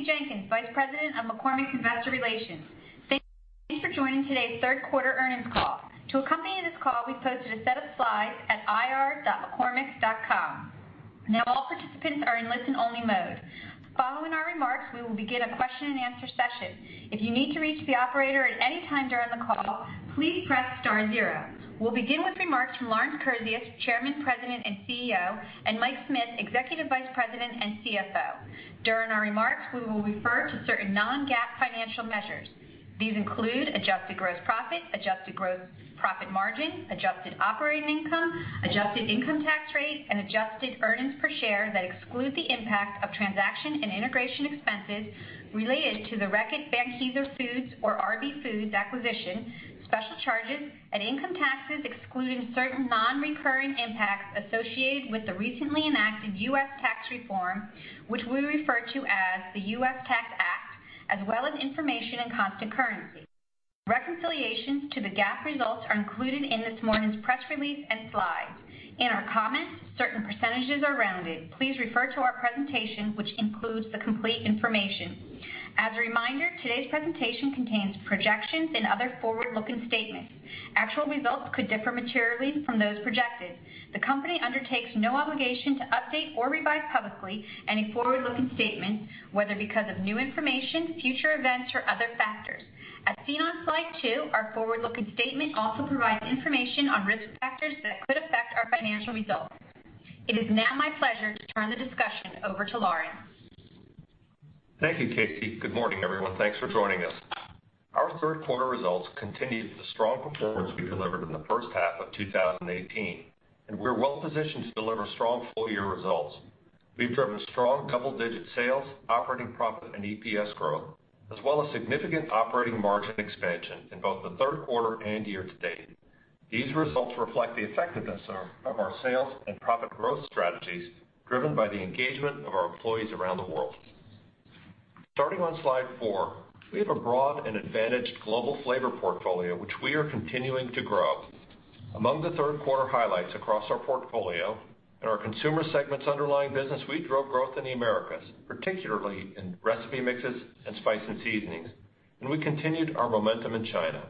Good morning. This is Kasey Jenkins, Vice President of McCormick's Investor Relations. Thank you for joining today's third quarter earnings call. To accompany this call, we've posted a set of slides at ir.mccormick.com. Now all participants are in listen only mode. Following our remarks, we will begin a question and answer session. If you need to reach the operator at any time during the call, please press star zero. We'll begin with remarks from Lawrence Kurzius, Chairman, President, and CEO, and Mike Smith, Executive Vice President and CFO. During our remarks, we will refer to certain non-GAAP financial measures. These include adjusted gross profit, adjusted gross profit margin, adjusted operating income, adjusted income tax rate, and adjusted earnings per share that exclude the impact of transaction and integration expenses related to the Reckitt Benckiser Foods or RB Foods acquisition, special charges, and income taxes excluding certain non-recurring impacts associated with the recently enacted U.S. tax reform, which we refer to as the U.S. Tax Act, as well as information in constant currency. Reconciliations to the GAAP results are included in this morning's press release and slides. In our comments, certain percentages are rounded. Please refer to our presentation, which includes the complete information. As a reminder, today's presentation contains projections and other forward-looking statements. Actual results could differ materially from those projected. The company undertakes no obligation to update or revise publicly any forward-looking statements, whether because of new information, future events, or other factors. As seen on slide 2, our forward-looking statement also provides information on risk factors that could affect our financial results. It is now my pleasure to turn the discussion over to Lawrence. Thank you, Kasey. Good morning, everyone. Thanks for joining us. Our third quarter results continue the strong performance we delivered in the first half of 2018, and we're well positioned to deliver strong full-year results. We've driven strong double-digit sales, operating profit, and EPS growth, as well as significant operating margin expansion in both the third quarter and year to date. These results reflect the effectiveness of our sales and profit growth strategies driven by the engagement of our employees around the world. Starting on slide four, we have a broad and advantaged global flavor portfolio, which we are continuing to grow. Among the third quarter highlights across our portfolio, in our consumer segment's underlying business, we drove growth in the Americas, particularly in recipe mixes and spice and seasonings, and we continued our momentum in China.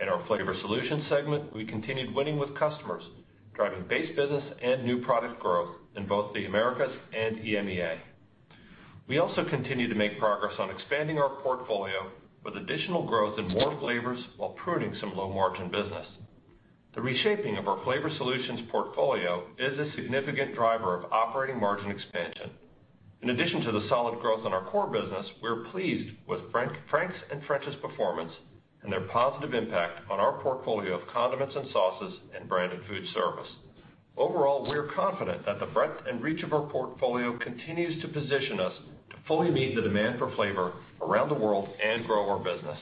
In our Flavor Solutions segment, we continued winning with customers, driving base business and new product growth in both the Americas and EMEA. We also continue to make progress on expanding our portfolio with additional growth in more flavors while pruning some low-margin business. The reshaping of our Flavor Solutions portfolio is a significant driver of operating margin expansion. In addition to the solid growth in our core business, we're pleased with Frank's and French's performance and their positive impact on our portfolio of condiments and sauces and branded foodservice. Overall, we're confident that the breadth and reach of our portfolio continues to position us to fully meet the demand for flavor around the world and grow our business.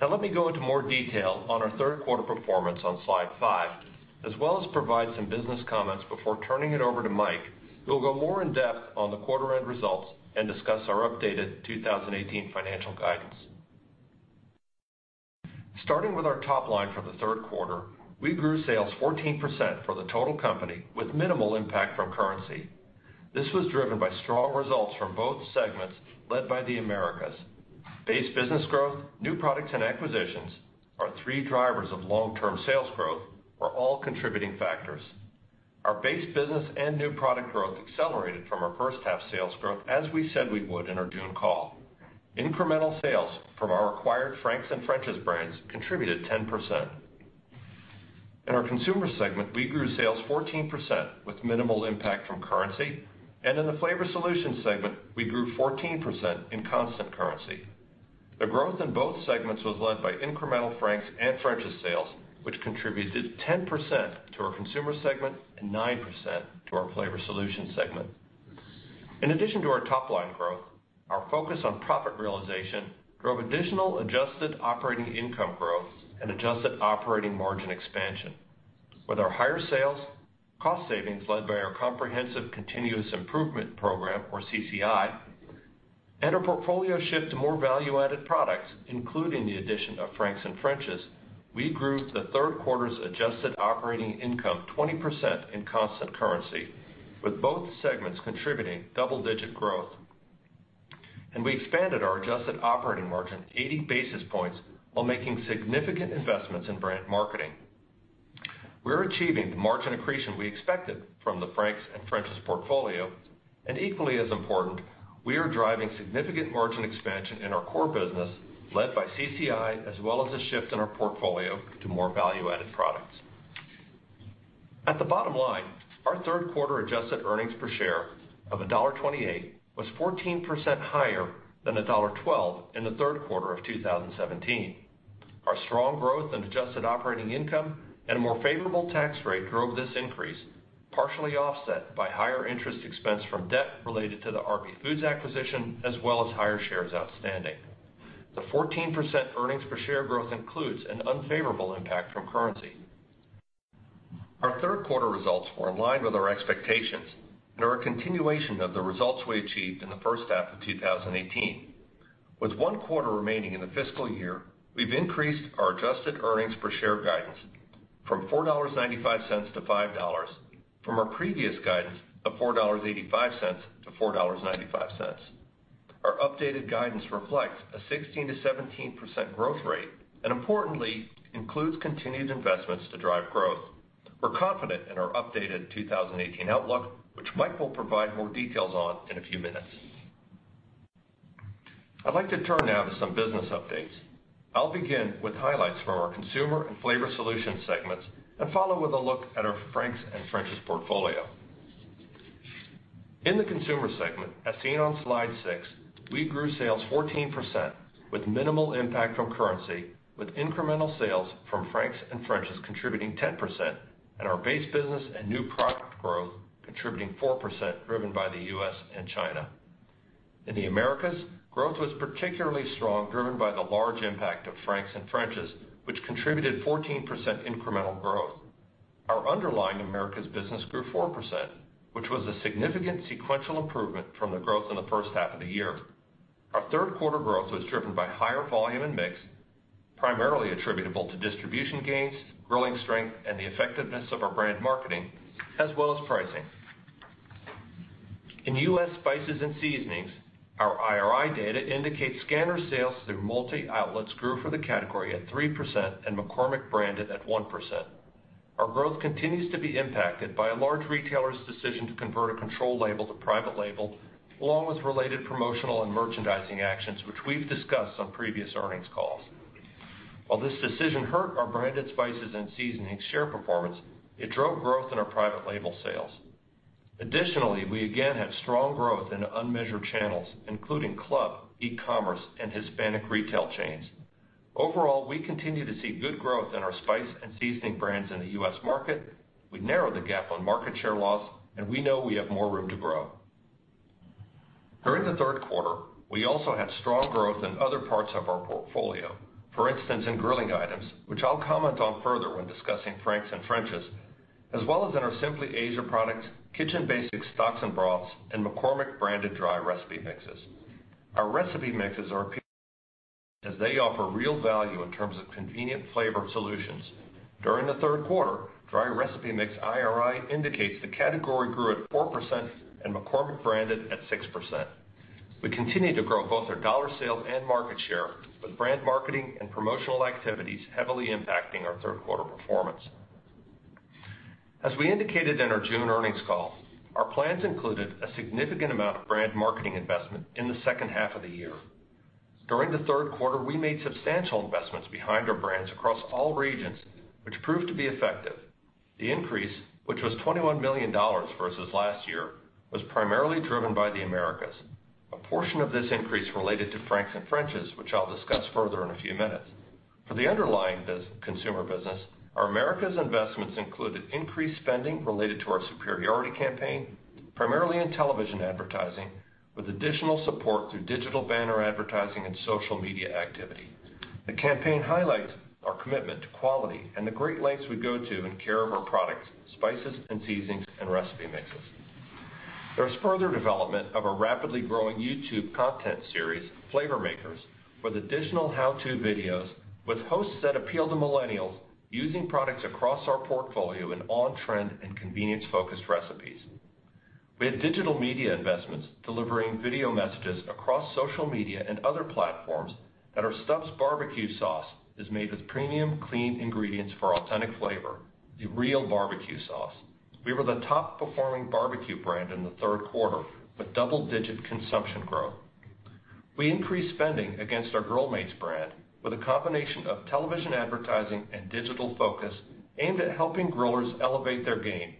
Now let me go into more detail on our third quarter performance on slide five, as well as provide some business comments before turning it over to Mike, who will go more in depth on the quarter end results and discuss our updated 2018 financial guidance. Starting with our top line for the third quarter, we grew sales 14% for the total company with minimal impact from currency. This was driven by strong results from both segments led by the Americas. Base business growth, new products, and acquisitions are three drivers of long-term sales growth were all contributing factors. Our base business and new product growth accelerated from our first half sales growth as we said we would in our June call. Incremental sales from our acquired Frank's and French's brands contributed 10%. In our Consumer segment, we grew sales 14% with minimal impact from currency, and in the Flavor Solutions segment, we grew 14% in constant currency. The growth in both segments was led by incremental Frank's and French's sales, which contributed 10% to our Consumer segment and 9% to our Flavor Solutions segment. In addition to our top-line growth, our focus on profit realization drove additional adjusted operating income growth and adjusted operating margin expansion. With our higher sales, cost savings led by our comprehensive continuous improvement program, or CCI, and our portfolio shift to more value-added products, including the addition of Frank's and French's, we grew the third quarter's adjusted operating income 20% in constant currency, with both segments contributing double-digit growth. We expanded our adjusted operating margin 80 basis points while making significant investments in brand marketing. We're achieving the margin accretion we expected from the Frank's and French's portfolio, and equally as important, we are driving significant margin expansion in our core business, led by CCI as well as the shift in our portfolio to more value-added products. At the bottom line, our third quarter adjusted earnings per share of $1.28 was 14% higher than $1.12 in the third quarter of 2017. Our strong growth in adjusted operating income and a more favorable tax rate drove this increase, partially offset by higher interest expense from debt related to the RB Foods acquisition, as well as higher shares outstanding. The 14% earnings per share growth includes an unfavorable impact from currency. Our third quarter results were in line with our expectations and are a continuation of the results we achieved in the first half of 2018. With one quarter remaining in the fiscal year, we've increased our adjusted earnings per share guidance from $4.95-$5, from our previous guidance of $4.85-$4.95. Our updated guidance reflects a 16%-17% growth rate, and importantly, includes continued investments to drive growth. We're confident in our updated 2018 outlook, which Mike will provide more details on in a few minutes. I'd like to turn now to some business updates. I'll begin with highlights from our Consumer and Flavor Solutions segments, and follow with a look at our Frank's and French's portfolio. In the Consumer segment, as seen on slide six, we grew sales 14% with minimal impact from currency, with incremental sales from Frank's and French's contributing 10%, and our base business and new product growth contributing 4%, driven by the U.S. and China. In the Americas, growth was particularly strong, driven by the large impact of Frank's and French's, which contributed 14% incremental growth. Our underlying Americas business grew 4%, which was a significant sequential improvement from the growth in the first half of the year. Our third quarter growth was driven by higher volume and mix, primarily attributable to distribution gains, grilling strength, and the effectiveness of our brand marketing, as well as pricing. In U.S. spices and seasonings, our IRI data indicates scanner sales through multi outlets grew for the category at 3% and McCormick branded at 1%. Our growth continues to be impacted by a large retailer's decision to convert a control label to private label, along with related promotional and merchandising actions, which we've discussed on previous earnings calls. While this decision hurt our branded spices and seasonings share performance, it drove growth in our private label sales. Additionally, we again had strong growth in unmeasured channels, including club, e-commerce, and Hispanic retail chains. Overall, we continue to see good growth in our spice and seasoning brands in the U.S. market, we narrowed the gap on market share loss, and we know we have more room to grow. During the third quarter, we also had strong growth in other parts of our portfolio. For instance, in grilling items, which I'll comment on further when discussing Frank's and French's, as well as in our Simply Asia products, Kitchen Basics stocks and broths, and McCormick branded dry recipe mixes. Our recipe mixes are appealing, as they offer real value in terms of convenient flavor solutions. During the third quarter, dry recipe mix IRI indicates the category grew at 4% and McCormick branded at 6%. We continue to grow both our dollar sales and market share, with brand marketing and promotional activities heavily impacting our third quarter performance. As we indicated in our June earnings call, our plans included a significant amount of brand marketing investment in the second half of the year. During the third quarter, we made substantial investments behind our brands across all regions, which proved to be effective. The increase, which was $21 million versus last year, was primarily driven by the Americas. A portion of this increase related to Frank's and French's, which I'll discuss further in a few minutes. For the underlying consumer business, our Americas investments included increased spending related to our superiority campaign, primarily in television advertising, with additional support through digital banner advertising and social media activity. The campaign highlights our commitment to quality and the great lengths we go to in care of our products, spices and seasonings, and recipe mixes. There's further development of a rapidly growing YouTube content series, Flavor Makers, with additional how-to videos with hosts that appeal to millennials, using products across our portfolio in on-trend and convenience focused recipes. We had digital media investments delivering video messages across social media and other platforms that our Stubb's barbecue sauce is made with premium, clean ingredients for authentic flavor, the real barbecue sauce. We were the top performing barbecue brand in the third quarter, with double-digit consumption growth. We increased spending against our Grill Mates brand with a combination of television advertising and digital focus aimed at helping grillers elevate their game.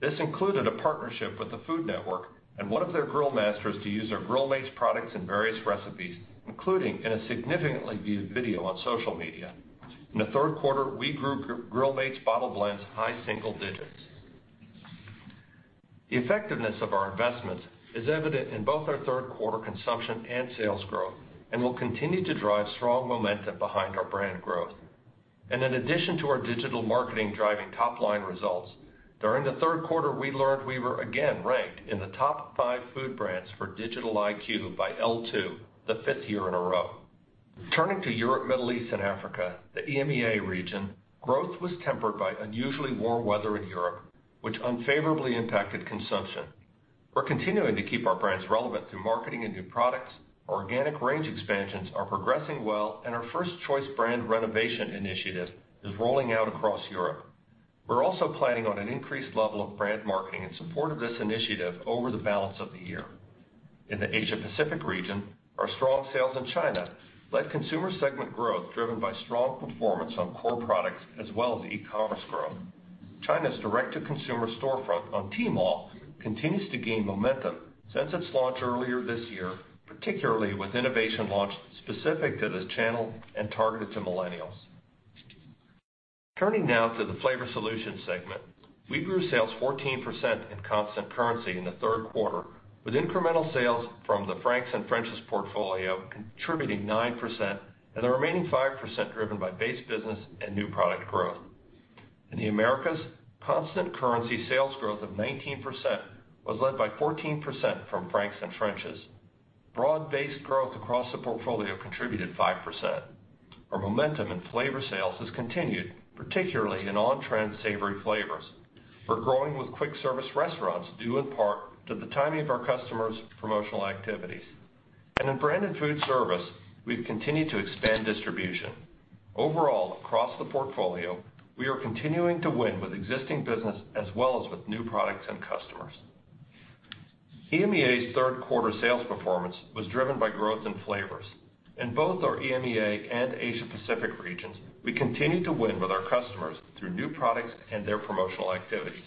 This included a partnership with the Food Network and one of their grill masters to use our Grill Mates products in various recipes, including in a significantly viewed video on social media. In the third quarter, we grew Grill Mates bottle blends high single-digits. The effectiveness of our investments is evident in both our third quarter consumption and sales growth and will continue to drive strong momentum behind our brand growth. In addition to our digital marketing driving top line results, during the third quarter, we learned we were again ranked in the top five food brands for Digital IQ by L2, the fifth year in a row. Turning to Europe, Middle East, and Africa, the EMEA region, growth was tempered by unusually warm weather in Europe, which unfavorably impacted consumption. We're continuing to keep our brands relevant through marketing and new products. Our organic range expansions are progressing well, and our first choice brand renovation initiative is rolling out across Europe. We're also planning on an increased level of brand marketing in support of this initiative over the balance of the year. In the Asia Pacific region, our strong sales in China led consumer segment growth, driven by strong performance on core products as well as e-commerce growth. China's direct-to-consumer storefront on Tmall continues to gain momentum since its launch earlier this year, particularly with innovation launches specific to the channel and targeted to millennials. Turning now to the Flavor Solutions segment. We grew sales 14% in constant currency in the third quarter, with incremental sales from the Frank's and French's portfolio contributing 9%, and the remaining 5% driven by base business and new product growth. In the Americas, constant currency sales growth of 19% was led by 14% from Frank's and French's. Broad-based growth across the portfolio contributed 5%. Our momentum in flavor sales has continued, particularly in on-trend savory flavors. We're growing with quick service restaurants, due in part to the timing of our customers' promotional activities. In branded food service, we've continued to expand distribution. Overall, across the portfolio, we are continuing to win with existing business as well as with new products and customers. EMEA's third quarter sales performance was driven by growth in flavors. In both our EMEA and Asia Pacific regions, we continue to win with our customers through new products and their promotional activities.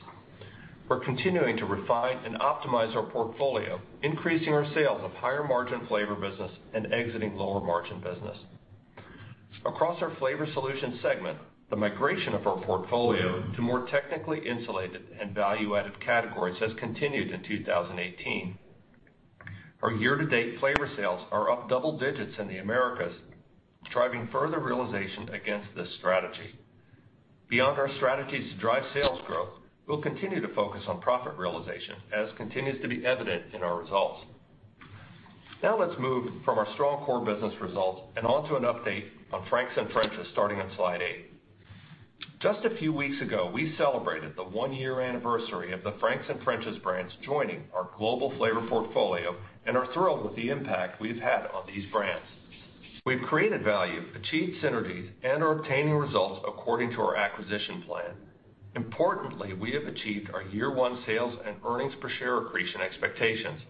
We're continuing to refine and optimize our portfolio, increasing our sales of higher-margin flavor business and exiting lower-margin business. Across our Flavor Solutions segment, the migration of our portfolio to more technically insulated and value-added categories has continued in 2018. Our year-to-date flavor sales are up double digits in the Americas, driving further realization against this strategy. Beyond our strategies to drive sales growth, we'll continue to focus on profit realization, as continues to be evident in our results. Let's move from our strong core business results and onto an update on Frank's and French's, starting on slide eight. Just a few weeks ago, we celebrated the one-year anniversary of the Frank's and French's brands joining our global flavor portfolio and are thrilled with the impact we've had on these brands. We've created value, achieved synergies, and are obtaining results according to our acquisition plan. Importantly, we have achieved our year one sales and earnings per share accretion expectations.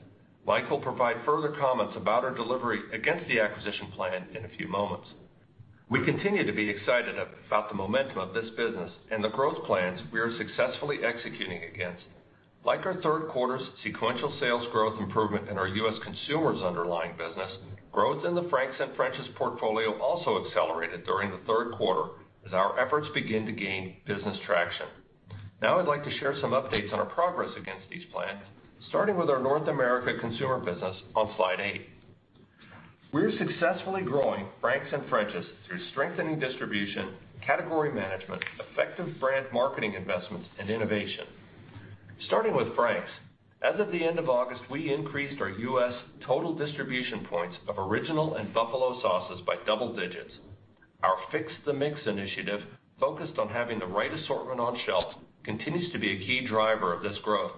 Mike will provide further comments about our delivery against the acquisition plan in a few moments. We continue to be excited about the momentum of this business and the growth plans we are successfully executing against. Like our third quarter's sequential sales growth improvement in our U.S. consumers' underlying business, growth in the Frank's and French's portfolio also accelerated during the third quarter as our efforts begin to gain business traction. I'd like to share some updates on our progress against these plans, starting with our North America consumer business on slide eight. We're successfully growing Frank's and French's through strengthening distribution, category management, effective brand marketing investments, and innovation. Starting with Frank's, as of the end of August, we increased our U.S. total distribution points of original and Buffalo sauces by double digits. Our Fix the Mix initiative, focused on having the right assortment on shelves, continues to be a key driver of this growth.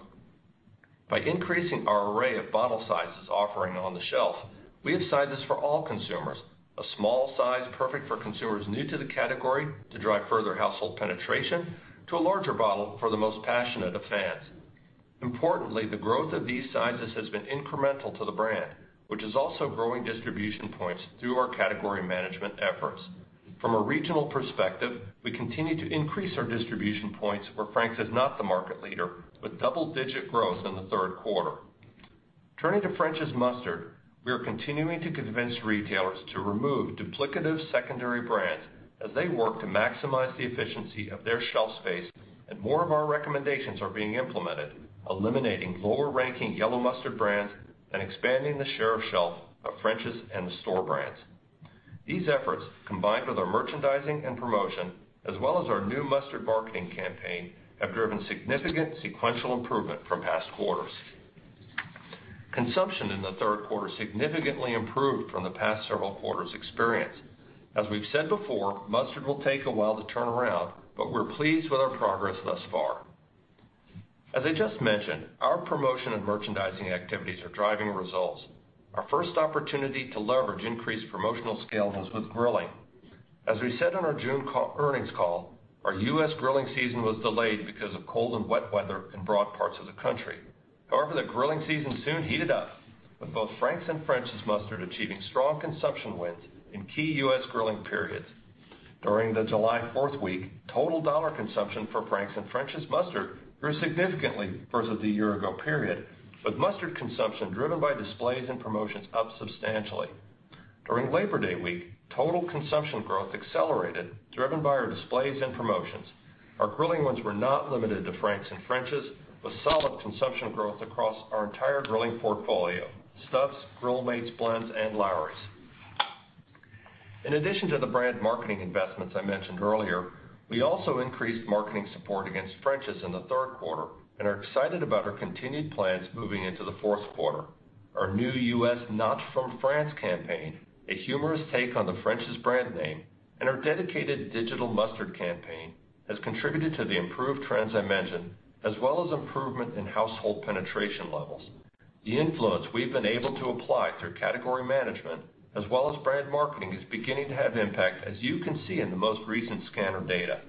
By increasing our array of bottle sizes offering on the shelf, we have sizes for all consumers, a small size perfect for consumers new to the category to drive further household penetration, to a larger bottle for the most passionate of fans. Importantly, the growth of these sizes has been incremental to the brand, which is also growing distribution points through our category management efforts. From a regional perspective, we continue to increase our distribution points where Frank's is not the market leader, with double-digit growth in the third quarter. Turning to French's Mustard, we are continuing to convince retailers to remove duplicative secondary brands as they work to maximize the efficiency of their shelf space. More of our recommendations are being implemented, eliminating lower-ranking yellow mustard brands and expanding the share of shelf of French's and the store brands. These efforts, combined with our merchandising and promotion, as well as our new mustard marketing campaign, have driven significant sequential improvement from past quarters. Consumption in the third quarter significantly improved from the past several quarters' experience. We've said before, mustard will take a while to turn around, but we're pleased with our progress thus far. I just mentioned, our promotion and merchandising activities are driving results. Our first opportunity to leverage increased promotional scale was with grilling. As we said on our June earnings call, our U.S. grilling season was delayed because of cold and wet weather in broad parts of the country. However, the grilling season soon heated up with both Frank's and French's Mustard achieving strong consumption wins in key U.S. grilling periods. During the July 4th week, total dollar consumption for Frank's and French's Mustard grew significantly versus the year ago period, with mustard consumption driven by displays and promotions up substantially. During Labor Day week, total consumption growth accelerated, driven by our displays and promotions. Our grilling wins were not limited to Frank's and French's, with solid consumption growth across our entire grilling portfolio, Stubb's, Grill Mates blends, and Lawry's. In addition to the brand marketing investments I mentioned earlier, we also increased marketing support against French's in the third quarter and are excited about our continued plans moving into the fourth quarter. Our new U.S. Not From France campaign, a humorous take on the French's brand name, and our dedicated digital mustard campaign has contributed to the improved trends I mentioned, as well as improvement in household penetration levels. The influence we've been able to apply through category management as well as brand marketing is beginning to have impact, as you can see in the most recent scanner data.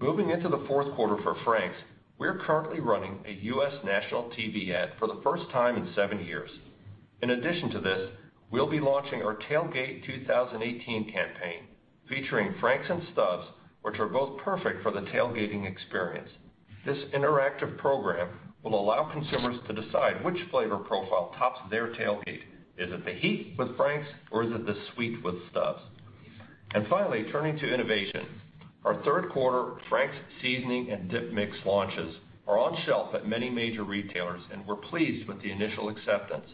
Moving into the fourth quarter for Frank's, we're currently running a U.S. national TV ad for the first time in seven years. In addition to this, we'll be launching our Tailgate 2018 campaign, featuring Frank's and Stubb's, which are both perfect for the tailgating experience. This interactive program will allow consumers to decide which flavor profile tops their tailgate. Is it the heat with Frank's or is it the sweet with Stubb's? Finally, turning to innovation. Our third quarter Frank's Seasoning and Dip Mix launches are on shelf at many major retailers, and we're pleased with the initial acceptance.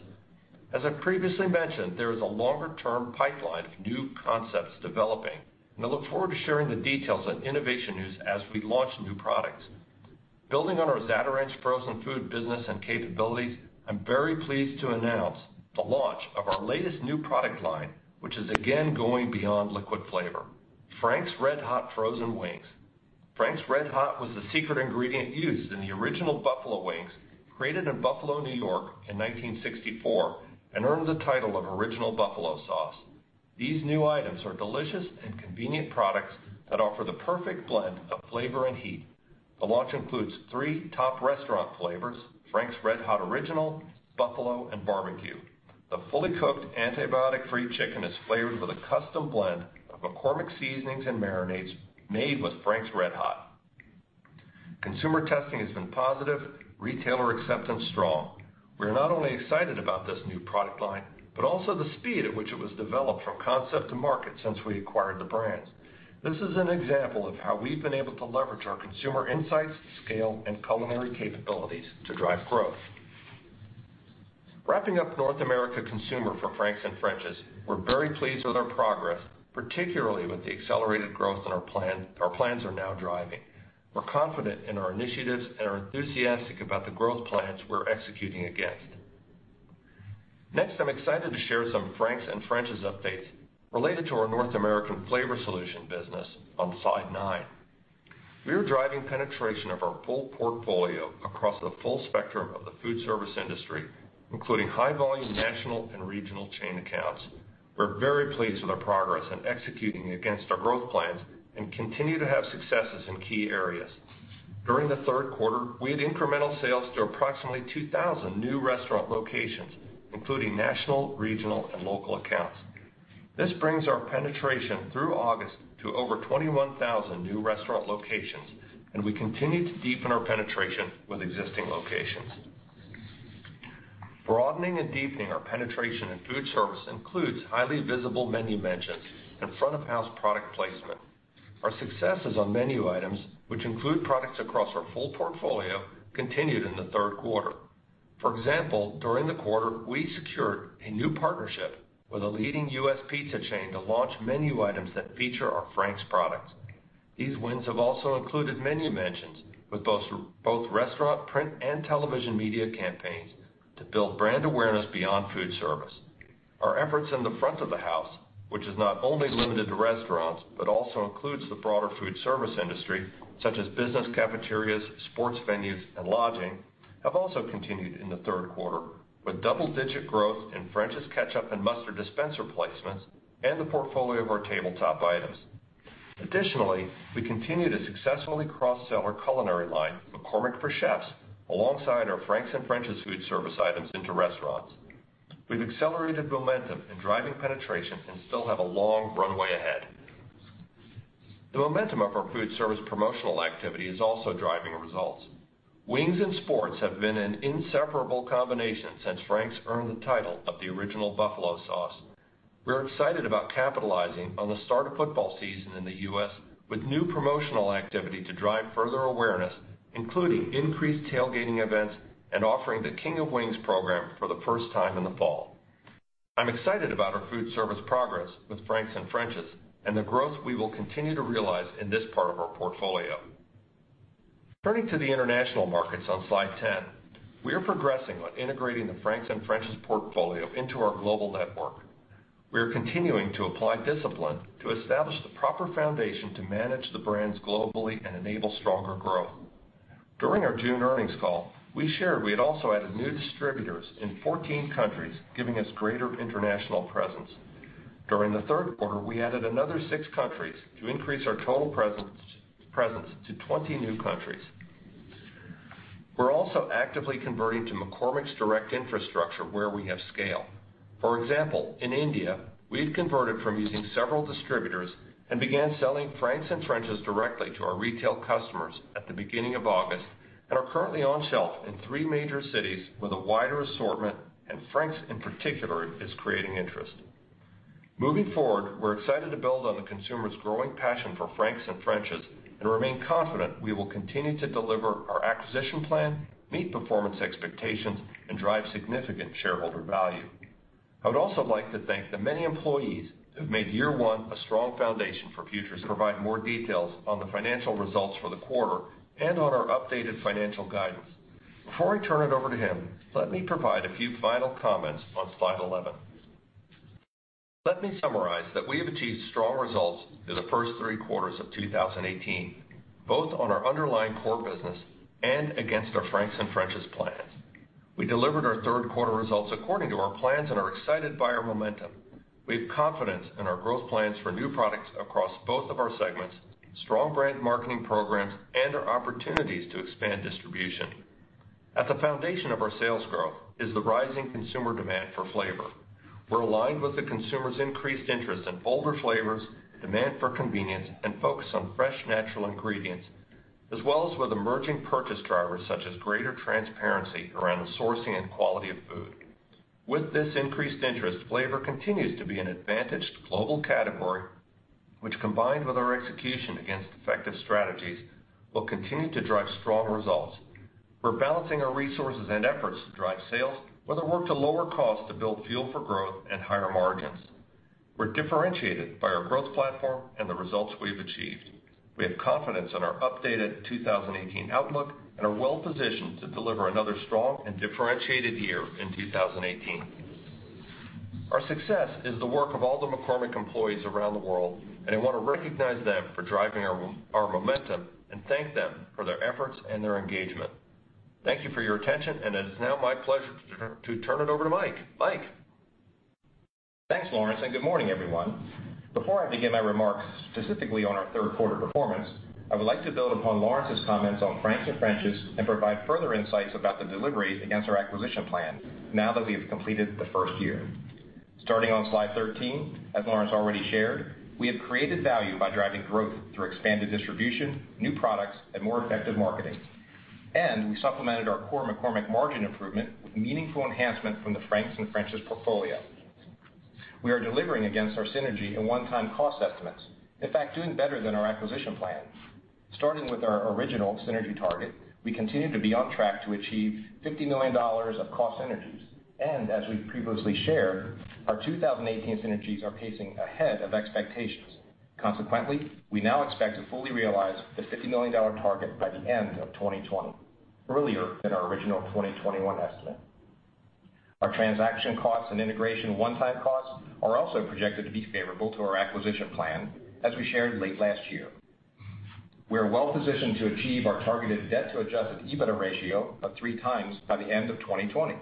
As I previously mentioned, there is a longer-term pipeline of new concepts developing, and I look forward to sharing the details on innovation news as we launch new products. Building on our Zatarain's frozen food business and capabilities, I'm very pleased to announce the launch of our latest new product line, which is again going beyond liquid flavor, Frank's RedHot Frozen Wings. Frank's RedHot was the secret ingredient used in the original buffalo wings, created in Buffalo, New York, in 1964 and earned the title of Original Buffalo Sauce. These new items are delicious and convenient products that offer the perfect blend of flavor and heat. The launch includes three top restaurant flavors: Frank's RedHot Original, Buffalo, and Barbecue. The fully cooked antibiotic-free chicken is flavored with a custom blend of McCormick seasonings and marinades made with Frank's RedHot. Consumer testing has been positive, retailer acceptance strong. We are not only excited about this new product line, but also the speed at which it was developed from concept to market since we acquired the brands. This is an example of how we've been able to leverage our consumer insights, scale, and culinary capabilities to drive growth. Wrapping up North America Consumer for Frank's and French's, we're very pleased with our progress, particularly with the accelerated growth that our plans are now driving. We're confident in our initiatives and are enthusiastic about the growth plans we're executing against. Next, I'm excited to share some Frank's and French's updates related to our North American Flavor Solutions business on slide nine. We are driving penetration of our full portfolio across the full spectrum of the foodservice industry, including high-volume national and regional chain accounts. We are very pleased with our progress in executing against our growth plans and continue to have successes in key areas. During the third quarter, we had incremental sales to approximately 2,000 new restaurant locations, including national, regional, and local accounts. This brings our penetration through August to over 21,000 new restaurant locations, and we continue to deepen our penetration with existing locations. Broadening and deepening our penetration in foodservice includes highly visible menu mentions and front-of-house product placement. Our successes on menu items, which include products across our full portfolio, continued in the third quarter. For example, during the quarter, we secured a new partnership with a leading U.S. pizza chain to launch menu items that feature our Frank's products. These wins have also included menu mentions with both restaurant print and television media campaigns to build brand awareness beyond foodservice. Our efforts in the front of the house, which is not only limited to restaurants but also includes the broader foodservice industry, such as business cafeterias, sports venues, and lodging, have also continued in the third quarter, with double-digit growth in French's Mustard dispenser placements and the portfolio of our tabletop items. Additionally, we continue to successfully cross-sell our culinary line, McCormick For Chefs, alongside our Frank's and French's foodservice items into restaurants. We have accelerated momentum in driving penetration and still have a long runway ahead. The momentum of our foodservice promotional activity is also driving results. Wings and sports have been an inseparable combination since Frank's earned the title of the Original Buffalo Wings Sauce. We are excited about capitalizing on the start of football season in the U.S. with new promotional activity to drive further awareness, including increased tailgating events and offering the King of Wings program for the first time in the fall. I am excited about our foodservice progress with Frank's and French's and the growth we will continue to realize in this part of our portfolio. Turning to the international markets on slide 10, we are progressing on integrating the Frank's and French's portfolio into our global network. We are continuing to apply discipline to establish the proper foundation to manage the brands globally and enable stronger growth. During our June earnings call, we shared we had also added new distributors in 14 countries, giving us greater international presence. During the third quarter, we added another six countries to increase our total presence to 20 new countries. We are also actively converting to McCormick's direct infrastructure where we have scale. For example, in India, we had converted from using several distributors and began selling Frank's and French's directly to our retail customers at the beginning of August and are currently on shelf in three major cities with a wider assortment, and Frank's, in particular, is creating interest. Moving forward, we are excited to build on the consumer's growing passion for Frank's and French's and remain confident we will continue to deliver our acquisition plan, meet performance expectations, and drive significant shareholder value. I would also like to thank the many employees who have made year one a strong foundation for future success. Provide more details on the financial results for the quarter and on our updated financial guidance. Before I turn it over to him, let me provide a few final comments on slide 11. Let me summarize that we have achieved strong results through the first three quarters of 2018, both on our underlying core business and against our Frank's and French's plans. We delivered our third quarter results according to our plans and are excited by our momentum. We have confidence in our growth plans for new products across both of our segments, strong brand marketing programs, and our opportunities to expand distribution. At the foundation of our sales growth is the rising consumer demand for flavor. We're aligned with the consumer's increased interest in bolder flavors, demand for convenience, and focus on fresh, natural ingredients, as well as with emerging purchase drivers such as greater transparency around the sourcing and quality of food. With this increased interest, flavor continues to be an advantaged global category which, combined with our execution against effective strategies, will continue to drive strong results. We're balancing our resources and efforts to drive sales, while the work to lower costs to build fuel for growth and higher margins. We're differentiated by our growth platform and the results we've achieved. We have confidence in our updated 2018 outlook and are well-positioned to deliver another strong and differentiated year in 2018. Our success is the work of all the McCormick employees around the world, and I want to recognize them for driving our momentum, and thank them for their efforts and their engagement. Thank you for your attention, and it is now my pleasure to turn it over to Mike. Mike? Thanks, Lawrence, and good morning, everyone. Before I begin my remarks, specifically on our third quarter performance, I would like to build upon Lawrence's comments on Frank's and French's and provide further insights about the delivery against our acquisition plan now that we have completed the first year. Starting on slide 13, as Lawrence already shared, we have created value by driving growth through expanded distribution, new products, and more effective marketing. We supplemented our core McCormick margin improvement with meaningful enhancement from the Frank's and French's portfolio. We are delivering against our synergy and one-time cost estimates, in fact, doing better than our acquisition plan. Starting with our original synergy target, we continue to be on track to achieve $50 million of cost synergies. As we've previously shared, our 2018 synergies are pacing ahead of expectations. Consequently, we now expect to fully realize the $50 million target by the end of 2020, earlier than our original 2021 estimate. Our transaction costs and integration one-time costs are also projected to be favorable to our acquisition plan, as we shared late last year. We are well positioned to achieve our targeted debt to adjusted EBITDA ratio of three times by the end of 2020.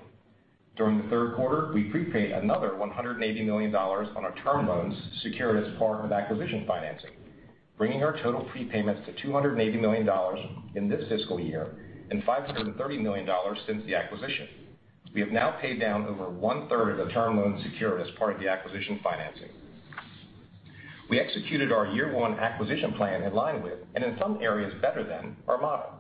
During the third quarter, we prepaid another $180 million on our term loans secured as part of acquisition financing, bringing our total prepayments to $280 million in this fiscal year and $530 million since the acquisition. We have now paid down over one-third of the term loan secured as part of the acquisition financing. We executed our year 1 acquisition plan in line with, and in some areas, better than our model.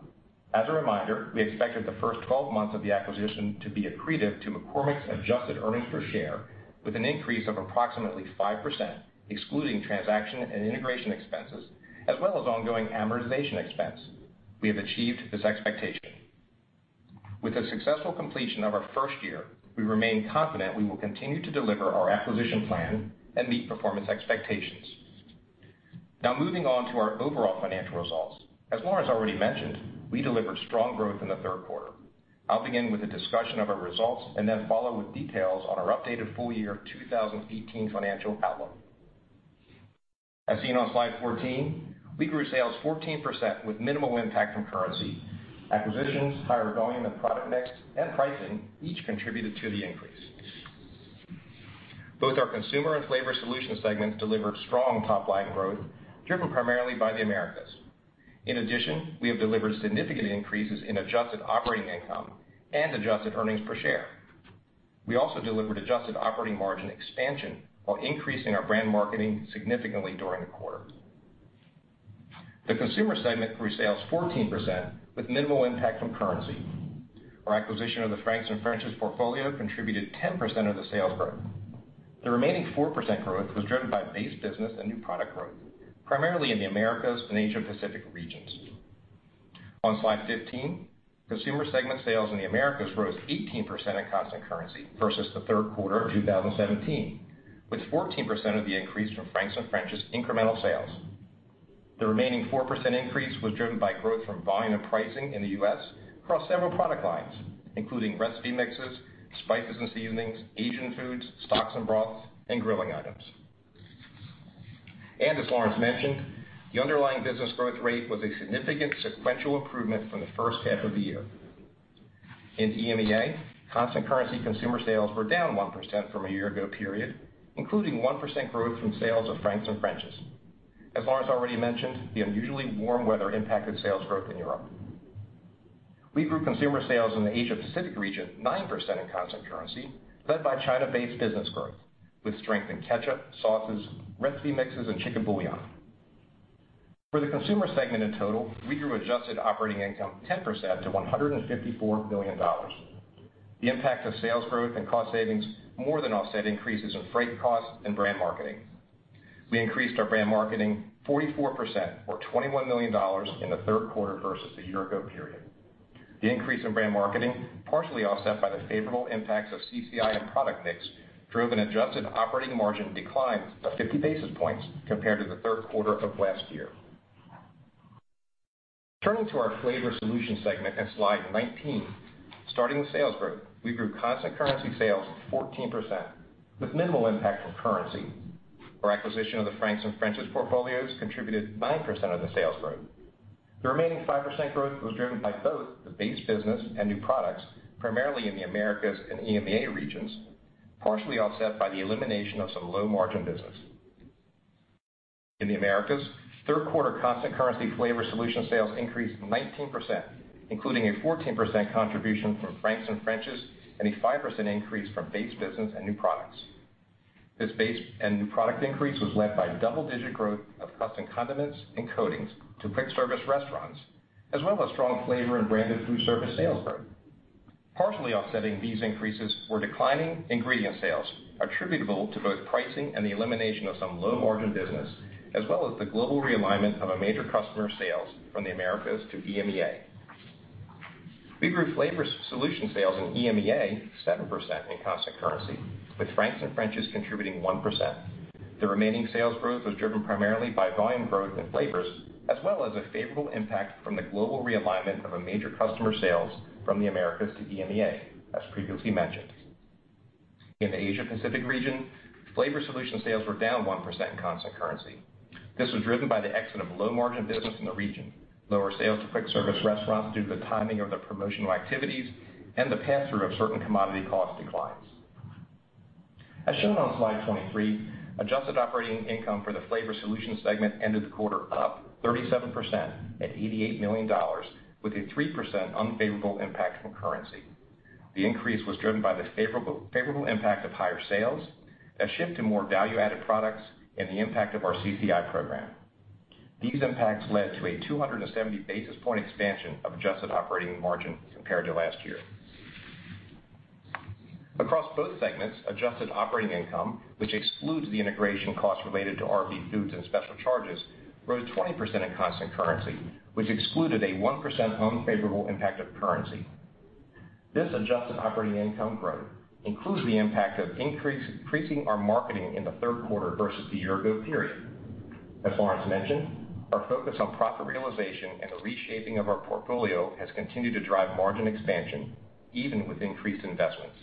As a reminder, we expected the first 12 months of the acquisition to be accretive to McCormick's adjusted earnings per share with an increase of approximately 5%, excluding transaction and integration expenses, as well as ongoing amortization expense. We have achieved this expectation. With the successful completion of our first year, we remain confident we will continue to deliver our acquisition plan and meet performance expectations. Now, moving on to our overall financial results. As Lawrence already mentioned, we delivered strong growth in the third quarter. I'll begin with a discussion of our results and then follow with details on our updated full year 2018 financial outlook. As seen on slide 14, we grew sales 14% with minimal impact from currency. Acquisitions, higher volume and product mix, and pricing each contributed to the increase. Both our Consumer and Flavor Solutions segments delivered strong top-line growth, driven primarily by the Americas. In addition, we have delivered significant increases in adjusted operating income and adjusted earnings per share. We also delivered adjusted operating margin expansion while increasing our brand marketing significantly during the quarter. The Consumer segment grew sales 14% with minimal impact from currency. Our acquisition of the Frank's and French's portfolio contributed 10% of the sales growth. The remaining 4% growth was driven by base business and new product growth, primarily in the Americas and Asia Pacific regions. On slide 15, Consumer segment sales in the Americas rose 18% in constant currency versus the third quarter of 2017, with 14% of the increase from Frank's and French's incremental sales. The remaining 4% increase was driven by growth from volume and pricing in the U.S. across several product lines, including recipe mixes, spices and seasonings, Asian foods, stocks and broths, and grilling items. As Lawrence mentioned, the underlying business growth rate was a significant sequential improvement from the first half of the year. In EMEA, constant currency consumer sales were down 1% from a year ago period, including 1% growth from sales of Frank's and French's. As Lawrence already mentioned, the unusually warm weather impacted sales growth in Europe. We grew consumer sales in the Asia Pacific region 9% in constant currency, led by China-based business growth, with strength in ketchup, sauces, recipe mixes, and chicken bouillon. For the Consumer segment in total, we grew adjusted operating income 10% to $154 million. The impact of sales growth and cost savings more than offset increases in freight costs and brand marketing. We increased our brand marketing 44%, or $21 million in the third quarter versus the year ago period. The increase in brand marketing, partially offset by the favorable impacts of CCI and product mix, drove an adjusted operating margin decline of 50 basis points compared to the third quarter of last year. Turning to our Flavor Solutions segment on slide 19. Starting with sales growth, we grew constant currency sales 14%, with minimal impact from currency. Our acquisition of the Frank's and French's portfolios contributed 9% of the sales growth. The remaining 5% growth was driven by both the base business and new products, primarily in the Americas and EMEA regions, partially offset by the elimination of some low-margin business. In the Americas, third quarter constant currency Flavor Solutions sales increased 19%, including a 14% contribution from Frank's and French's and a 5% increase from base business and new products. This base and new product increase was led by double-digit growth of custom condiments and coatings to quick service restaurants, as well as strong flavor and branded food service sales growth. Partially offsetting these increases were declining ingredient sales attributable to both pricing and the elimination of some low margin business, as well as the global realignment of a major customer sales from the Americas to EMEA. We grew flavor solution sales in EMEA 7% in constant currency, with Frank's and French's contributing 1%. The remaining sales growth was driven primarily by volume growth in flavors, as well as a favorable impact from the global realignment of a major customer sales from the Americas to EMEA, as previously mentioned. In the Asia Pacific region, flavor solution sales were down 1% in constant currency. This was driven by the exit of low margin business in the region, lower sales to quick service restaurants due to the timing of their promotional activities, and the pass-through of certain commodity cost declines. As shown on Slide 23, adjusted operating income for the flavor solution segment ended the quarter up 37% at $88 million, with a 3% unfavorable impact from currency. The increase was driven by the favorable impact of higher sales, a shift to more value-added products, and the impact of our CCI program. These impacts led to a 270 basis point expansion of adjusted operating margin compared to last year. Across both segments, adjusted operating income, which excludes the integration costs related to RB Foods and special charges, rose 20% in constant currency, which excluded a 1% unfavorable impact of currency. This adjusted operating income growth includes the impact of increasing our marketing in the third quarter versus the year ago period. As Lawrence mentioned, our focus on profit realization and the reshaping of our portfolio has continued to drive margin expansion even with increased investments.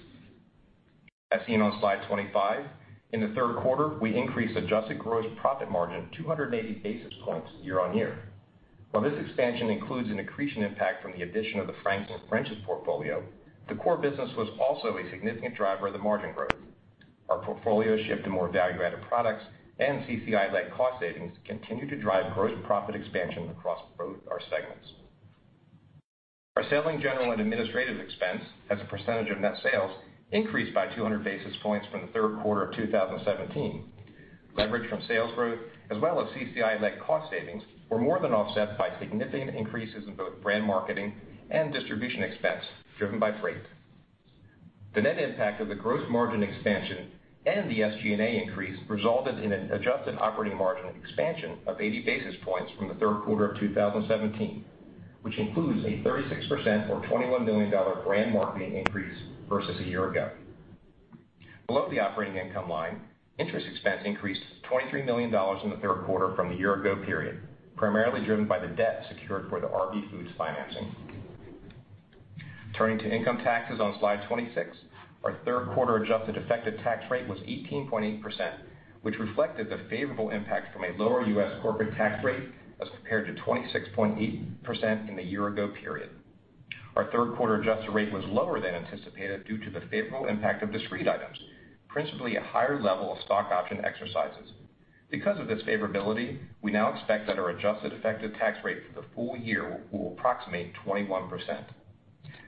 As seen on Slide 25, in the third quarter, we increased adjusted gross profit margin 280 basis points year-over-year. While this expansion includes an accretion impact from the addition of the Frank's and French's portfolio, the core business was also a significant driver of the margin growth. Our portfolio shift to more value-added products and CCI-led cost savings continue to drive gross profit expansion across both our segments. Our selling, general, and administrative expense as a percentage of net sales increased by 200 basis points from the third quarter of 2017. Leverage from sales growth, as well as CCI-led cost savings, were more than offset by significant increases in both brand marketing and distribution expense driven by freight. The net impact of the gross margin expansion and the SG&A increase resulted in an adjusted operating margin expansion of 80 basis points from the third quarter of 2017, which includes a 36% or $21 million brand marketing increase versus a year ago. Below the operating income line, interest expense increased to $23 million in the third quarter from the year ago period, primarily driven by the debt secured for the RB Foods financing. Turning to income taxes on Slide 26, our third quarter adjusted effective tax rate was 18.8%, which reflected the favorable impact from a lower U.S. corporate tax rate as compared to 26.8% in the year ago period. Our third quarter adjusted rate was lower than anticipated due to the favorable impact of discrete items, principally a higher level of stock option exercises. Because of this favorability, we now expect that our adjusted effective tax rate for the full year will approximate 21%.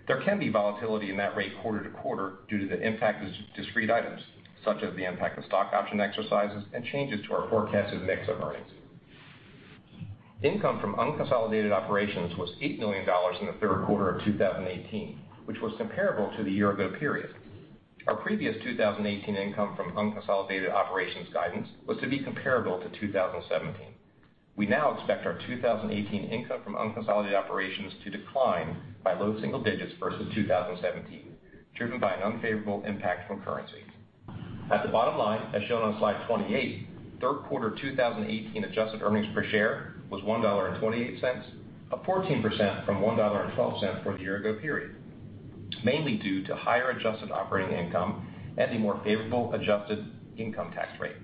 There can be volatility in that rate quarter to quarter due to the impact of discrete items, such as the impact of stock option exercises and changes to our forecasted mix of earnings. Income from unconsolidated operations was $8 million in the third quarter of 2018, which was comparable to the year ago period. Our previous 2018 income from unconsolidated operations guidance was to be comparable to 2017. We now expect our 2018 income from unconsolidated operations to decline by low single digits versus 2017, driven by an unfavorable impact from currency. At the bottom line, as shown on Slide 28, third quarter 2018 adjusted earnings per share was $1.28, up 14% from $1.12 from the year ago period, mainly due to higher adjusted operating income and a more favorable adjusted income tax rate,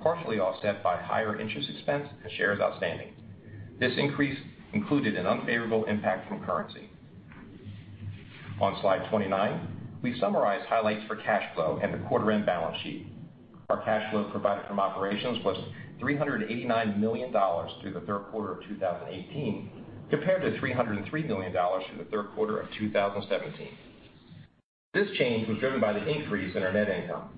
partially offset by higher interest expense and shares outstanding. This increase included an unfavorable impact from currency. On Slide 29, we summarize highlights for cash flow and the quarter end balance sheet. Our cash flow provided from operations was $389 million through the third quarter of 2018, compared to $303 million through the third quarter of 2017. This change was driven by the increase in our net income.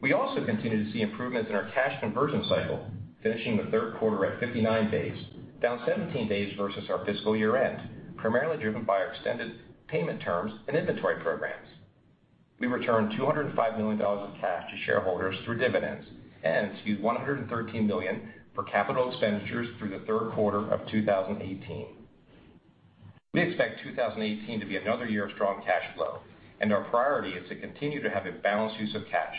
We also continue to see improvements in our cash conversion cycle, finishing the third quarter at 59 days, down 17 days versus our fiscal year end, primarily driven by our extended payment terms and inventory programs. We returned $205 million of cash to shareholders through dividends and used $113 million for capital expenditures through the third quarter of 2018. We expect 2018 to be another year of strong cash flow, and our priority is to continue to have a balanced use of cash,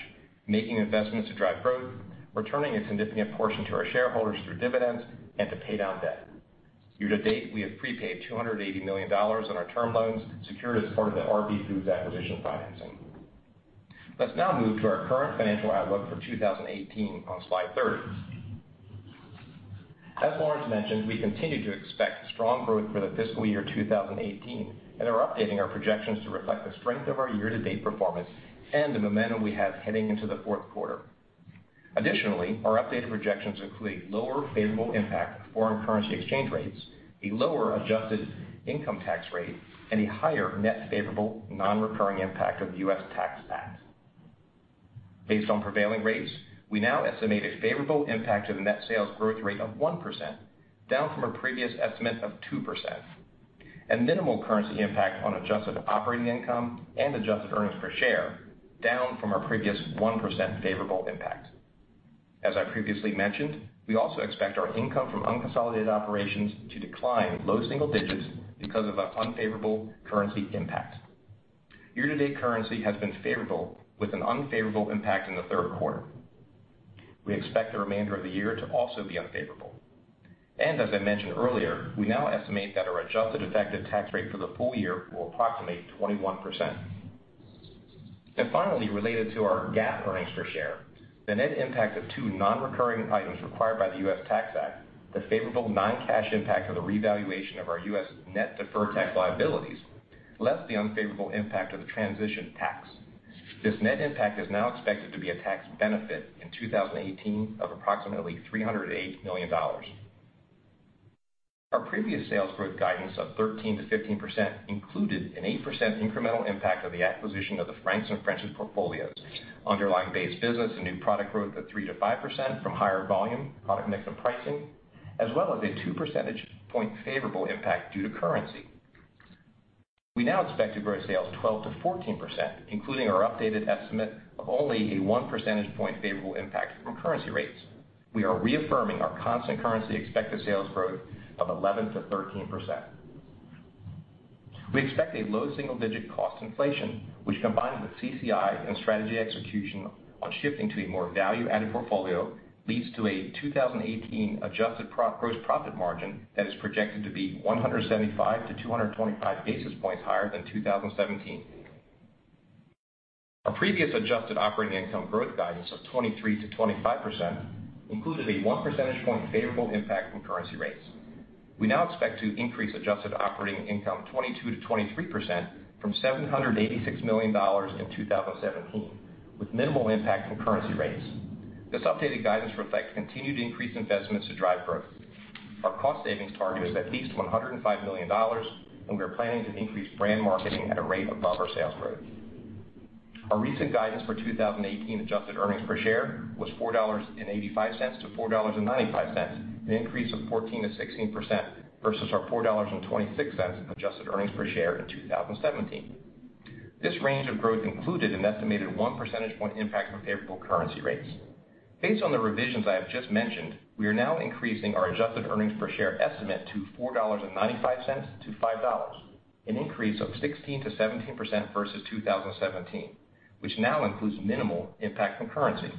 making investments to drive growth, returning a significant portion to our shareholders through dividends, and to pay down debt. Year to date, we have prepaid $280 million on our term loans secured as part of the RB Foods acquisition financing. Let's now move to our current financial outlook for 2018 on Slide 30. As Lawrence mentioned, we continue to expect strong growth for the fiscal year 2018 and are updating our projections to reflect the strength of our year-to-date performance and the momentum we have heading into the fourth quarter. Our updated projections include lower favorable impact of foreign currency exchange rates, a lower adjusted income tax rate, and a higher net favorable non-recurring impact of the U.S. Tax Act. Based on prevailing rates, we now estimate a favorable impact to the net sales growth rate of 1%, down from a previous estimate of 2%. Minimal currency impact on adjusted operating income and adjusted earnings per share, down from our previous 1% favorable impact. As I previously mentioned, we also expect our income from unconsolidated operations to decline low single digits because of an unfavorable currency impact. Year-to-date currency has been favorable, with an unfavorable impact in the third quarter. We expect the remainder of the year to also be unfavorable. As I mentioned earlier, we now estimate that our adjusted effective tax rate for the full year will approximate 21%. Finally, related to our GAAP earnings per share, the net impact of two non-recurring items required by the U.S. Tax Act, the favorable non-cash impact of the revaluation of our U.S. net deferred tax liabilities, less the unfavorable impact of the transition tax. This net impact is now expected to be a tax benefit in 2018 of approximately $308 million. Our previous sales growth guidance of 13%-15% included an 8% incremental impact of the acquisition of the Frank's and French's portfolios, underlying base business and new product growth of 3%-5% from higher volume, product mix, and pricing, as well as a two percentage point favorable impact due to currency. We now expect to grow sales 12%-14%, including our updated estimate of only a one percentage point favorable impact from currency rates. We are reaffirming our constant currency expected sales growth of 11%-13%. We expect a low single-digit cost inflation, which combined with CCI and strategy execution on shifting to a more value-added portfolio, leads to a 2018 adjusted gross profit margin that is projected to be 175-225 basis points higher than 2017. Our previous adjusted operating income growth guidance of 23%-25% included a one percentage point favorable impact from currency rates. We now expect to increase adjusted operating income 22%-23% from $786 million in 2017, with minimal impact from currency rates. This updated guidance reflects continued increased investments to drive growth. Our cost savings target is at least $105 million, and we are planning to increase brand marketing at a rate above our sales growth. Our recent guidance for 2018 adjusted earnings per share was $4.85-$4.95, an increase of 14%-16% versus our $4.26 adjusted earnings per share in 2017. This range of growth included an estimated one percentage point impact from favorable currency rates. Based on the revisions I have just mentioned, we are now increasing our adjusted earnings per share estimate to $4.95-$5, an increase of 16%-17% versus 2017, which now includes minimal impact from currency.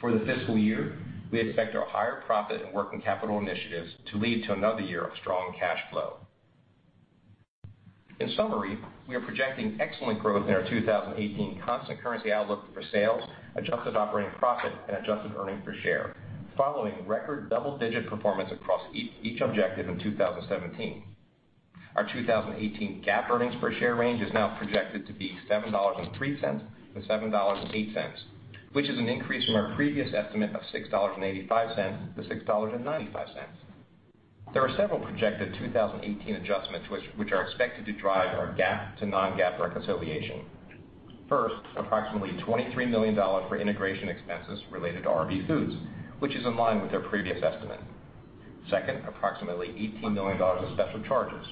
For the fiscal year, we expect our higher profit and working capital initiatives to lead to another year of strong cash flow. In summary, we are projecting excellent growth in our 2018 constant currency outlook for sales, adjusted operating profit, and adjusted earnings per share, following record double-digit performance across each objective in 2017. Our 2018 GAAP earnings per share range is now projected to be $7.03-$7.08, which is an increase from our previous estimate of $6.85-$6.95. There are several projected 2018 adjustments which are expected to drive our GAAP to non-GAAP reconciliation. First, approximately $23 million for integration expenses related to RB Foods, which is in line with their previous estimate. Second, approximately $18 million in special charges.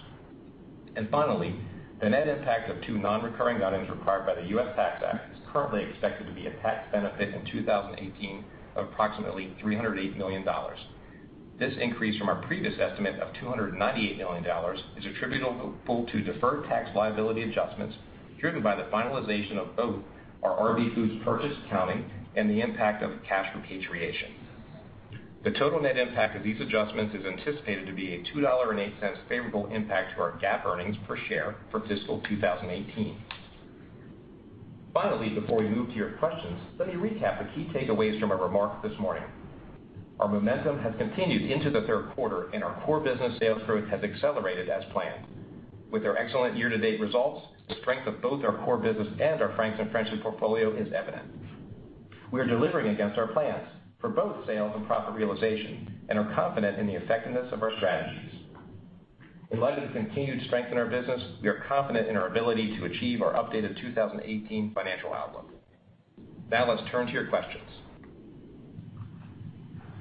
Finally, the net impact of two non-recurring items required by the U.S. Tax Act is currently expected to be a tax benefit in 2018 of approximately $308 million. This increase from our previous estimate of $298 million is attributable to deferred tax liability adjustments driven by the finalization of both our RB Foods purchase accounting and the impact of cash repatriation. The total net impact of these adjustments is anticipated to be a $2.08 favorable impact to our GAAP earnings per share for fiscal 2018. Finally, before we move to your questions, let me recap the key takeaways from our remarks this morning. Our momentum has continued into the third quarter, and our core business sales growth has accelerated as planned. With our excellent year-to-date results, the strength of both our core business and our Frank's and French's portfolio is evident. We are delivering against our plans for both sales and profit realization and are confident in the effectiveness of our strategies. In light of the continued strength in our business, we are confident in our ability to achieve our updated 2018 financial outlook. Let's turn to your questions.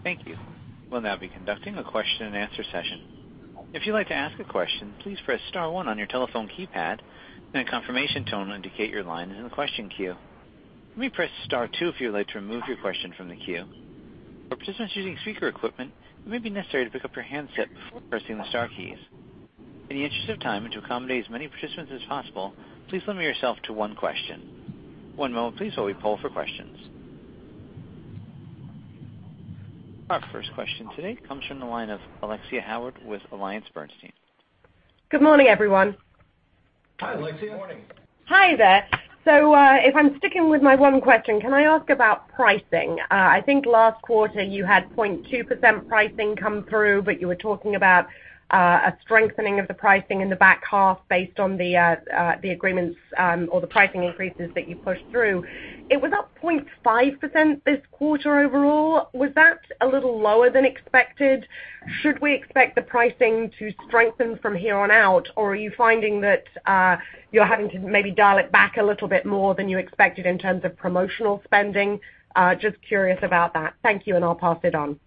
Thank you. We'll now be conducting a question and answer session. If you'd like to ask a question, please press *1 on your telephone keypad, and a confirmation tone will indicate your line is in the question queue. You may press *2 if you would like to remove your question from the queue. For participants using speaker equipment, it may be necessary to pick up your handset before pressing the star keys. In the interest of time and to accommodate as many participants as possible, please limit yourself to one question. One moment please while we poll for questions. Our first question today comes from the line of Alexia Howard with AllianceBernstein. Good morning, everyone. Hi, Alexia. Good morning. If I'm sticking with my one question, can I ask about pricing? I think last quarter you had 0.2% pricing come through, but you were talking about a strengthening of the pricing in the back half based on the agreements or the pricing increases that you pushed through. It was up 0.5% this quarter overall. Was that a little lower than expected? Should we expect the pricing to strengthen from here on out? Or are you finding that you're having to maybe dial it back a little bit more than you expected in terms of promotional spending? Just curious about that. Thank you, and I'll pass it on.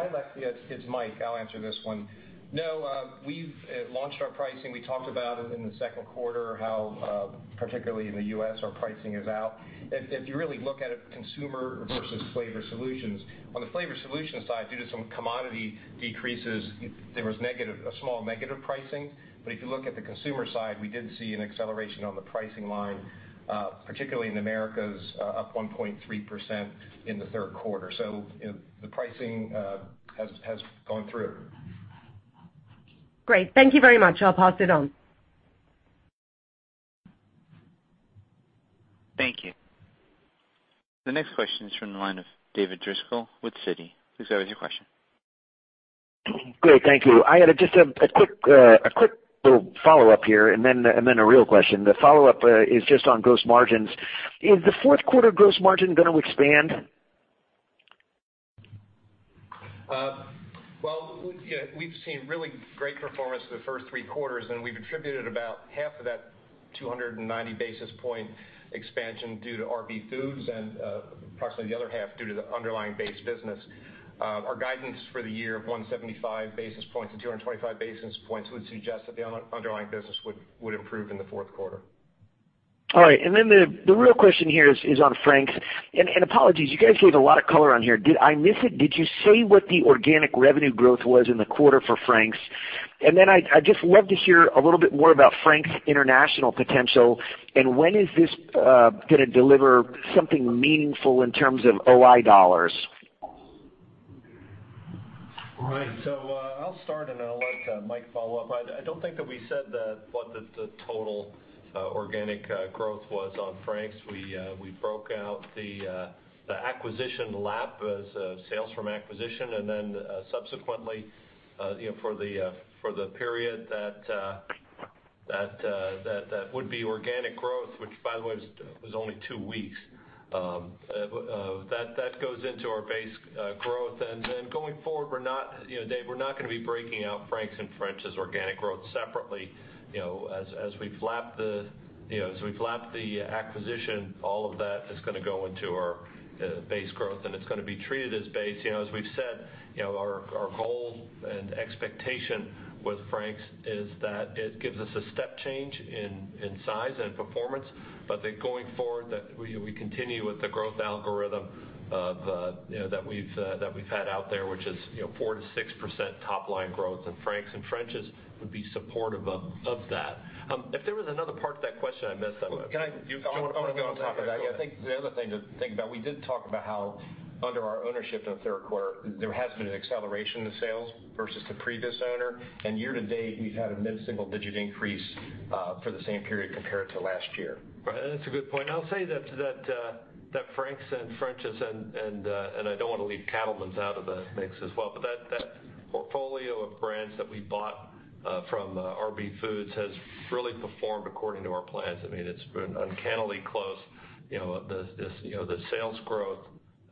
Hi, Lexi. It's Mike, I'll answer this one. No, we've launched our pricing. We talked about it in the second quarter, how, particularly in the U.S., our pricing is out. If you really look at it, consumer versus flavor solutions, on the flavor solutions side, due to some commodity decreases, there was a small negative pricing. If you look at the consumer side, we did see an acceleration on the pricing line, particularly in Americas, up 1.3% in the third quarter. The pricing has gone through. Great. Thank you very much. I'll pass it on. Thank you. The next question is from the line of David Driscoll with Citi. Please go ahead with your question. Great. Thank you. I had just a quick little follow-up here and then a real question. The follow-up is just on gross margins. Is the fourth quarter gross margin going to expand? Well, we've seen really great performance for the first three quarters. We've attributed about half of that 290 basis point expansion due to RB Foods and approximately the other half due to the underlying base business. Our guidance for the year of 175 basis points-225 basis points would suggest that the underlying business would improve in the fourth quarter. All right. The real question here is on Frank's. Apologies, you guys gave a lot of color on here. Did I miss it? Did you say what the organic revenue growth was in the quarter for Frank's? I'd just love to hear a little bit more about Frank's international potential. When is this going to deliver something meaningful in terms of OI dollars? Right. I'll start, and I'll let Mike follow up. I don't think that we said what the total organic growth was on Frank's. We broke out the acquisition lap as sales from acquisition, and then subsequently, for the period that would be organic growth, which by the way, was only two weeks. That goes into our base growth. Then going forward, Dave, we're not going to be breaking out Frank's and French's organic growth separately. As we lap the acquisition, all of that is going to go into our base growth, and it's going to be treated as base. As we've said, our goal and expectation with Frank's is that it gives us a step change in size and performance, but that going forward, that we continue with the growth algorithm that we've had out there, which is 4%-6% top-line growth, and Frank's and French's would be supportive of that. If there was another part to that question I missed. I want to go on top of that. I think the other thing to think about, we did talk about how under our ownership in the third quarter, there has been an acceleration in sales versus the previous owner. Year to date, we've had a mid-single digit increase for the same period compared to last year. Right. That's a good point. I'll say that Frank's and French's, and I don't want to leave Cattlemen's out of the mix as well, but that portfolio of brands that we bought from RB Foods has really performed according to our plans. It's been uncannily close. The sales growth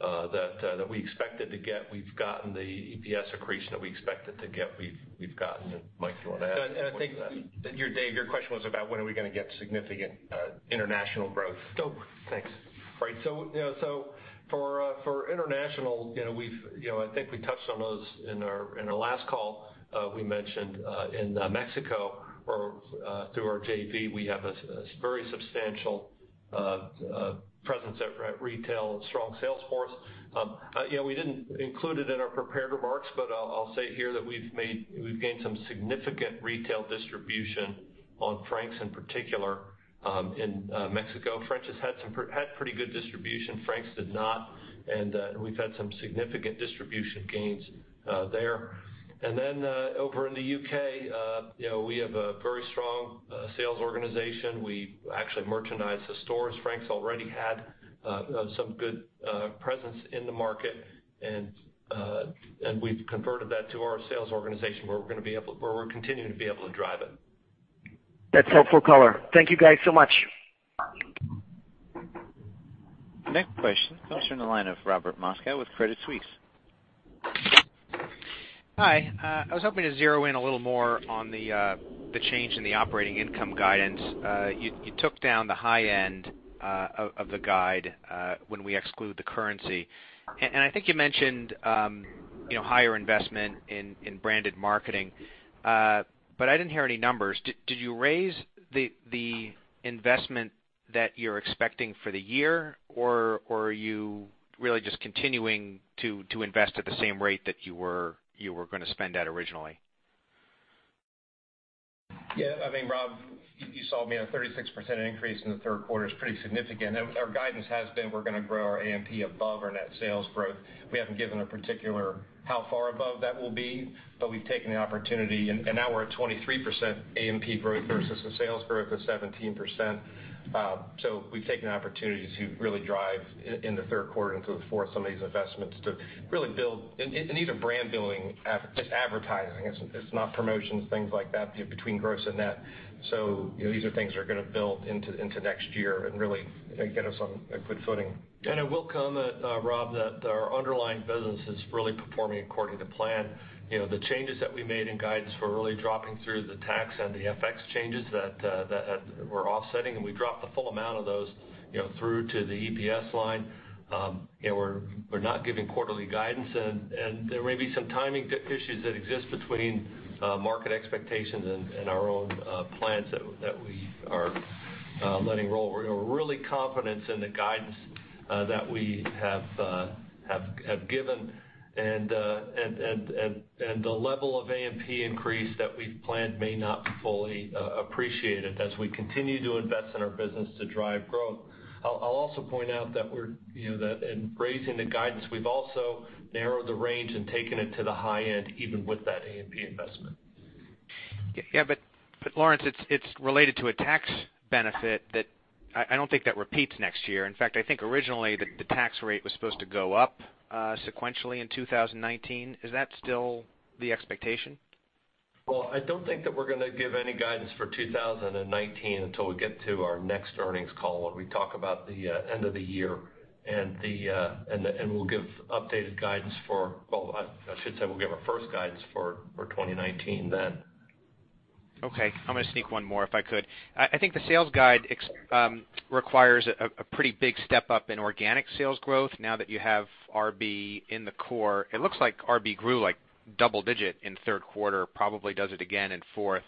that we expected to get, we've gotten. The EPS accretion that we expected to get, we've gotten. Mike, do you want to add anything to that? I think, Dave, your question was about when are we going to get significant international growth. Thanks. For international, I think we touched on those in our last call. We mentioned in Mexico or through our JV, we have a very substantial presence at retail, a strong sales force. We didn't include it in our prepared remarks, but I'll say here that we've gained some significant retail distribution on Frank's, in particular, in Mexico. French's had pretty good distribution. Frank's did not. We've had some significant distribution gains there. Over in the U.K., we have a very strong sales organization. We actually merchandise the stores. Frank's already had some good presence in the market, and we've converted that to our sales organization, where we're continuing to be able to drive it. That's helpful color. Thank you guys so much. Next question comes from the line of Robert Moskow with Credit Suisse. Hi. I was hoping to zero in a little more on the change in the operating income guidance. You took down the high end of the guide when we exclude the currency. I think you mentioned higher investment in branded marketing. I didn't hear any numbers. Did you raise the investment that you're expecting for the year, or are you really just continuing to invest at the same rate that you were going to spend at originally? Yeah, Rob, you saw a 36% increase in the third quarter is pretty significant. Our guidance has been we're going to grow our A&P above our net sales growth. We haven't given a particular how far above that will be, we've taken the opportunity, now we're at 23% A&P growth versus the sales growth of 17%. We've taken the opportunity to really drive in the third quarter and go forth some of these investments to really build. These are brand building, just advertising. It's not promotions, things like that between gross and net. These are things that are going to build into next year and really get us on a good footing. I will comment, Rob, that our underlying business is really performing according to plan. The changes that we made in guidance were really dropping through the tax and the FX changes that were offsetting, we dropped the full amount of those through to the EPS line. We're not giving quarterly guidance, there may be some timing issues that exist between market expectations and our own plans that we are letting roll. We're really confident in the guidance that we have given, the level of A&P increase that we've planned may not be fully appreciated as we continue to invest in our business to drive growth. I'll also point out that in raising the guidance, we've also narrowed the range and taken it to the high end, even with that A&P investment. Lawrence, it's related to a tax benefit that I don't think that repeats next year. I think originally the tax rate was supposed to go up sequentially in 2019. Is that still the expectation? I don't think that we're going to give any guidance for 2019 until we get to our next earnings call when we talk about the end of the year, and we'll give updated guidance. Well, I should say we'll give our first guidance for 2019 then. Okay. I'm going to sneak one more if I could. I think the sales guide requires a pretty big step-up in organic sales growth now that you have RB in the core. It looks like RB grew double digit in the third quarter, probably does it again in fourth.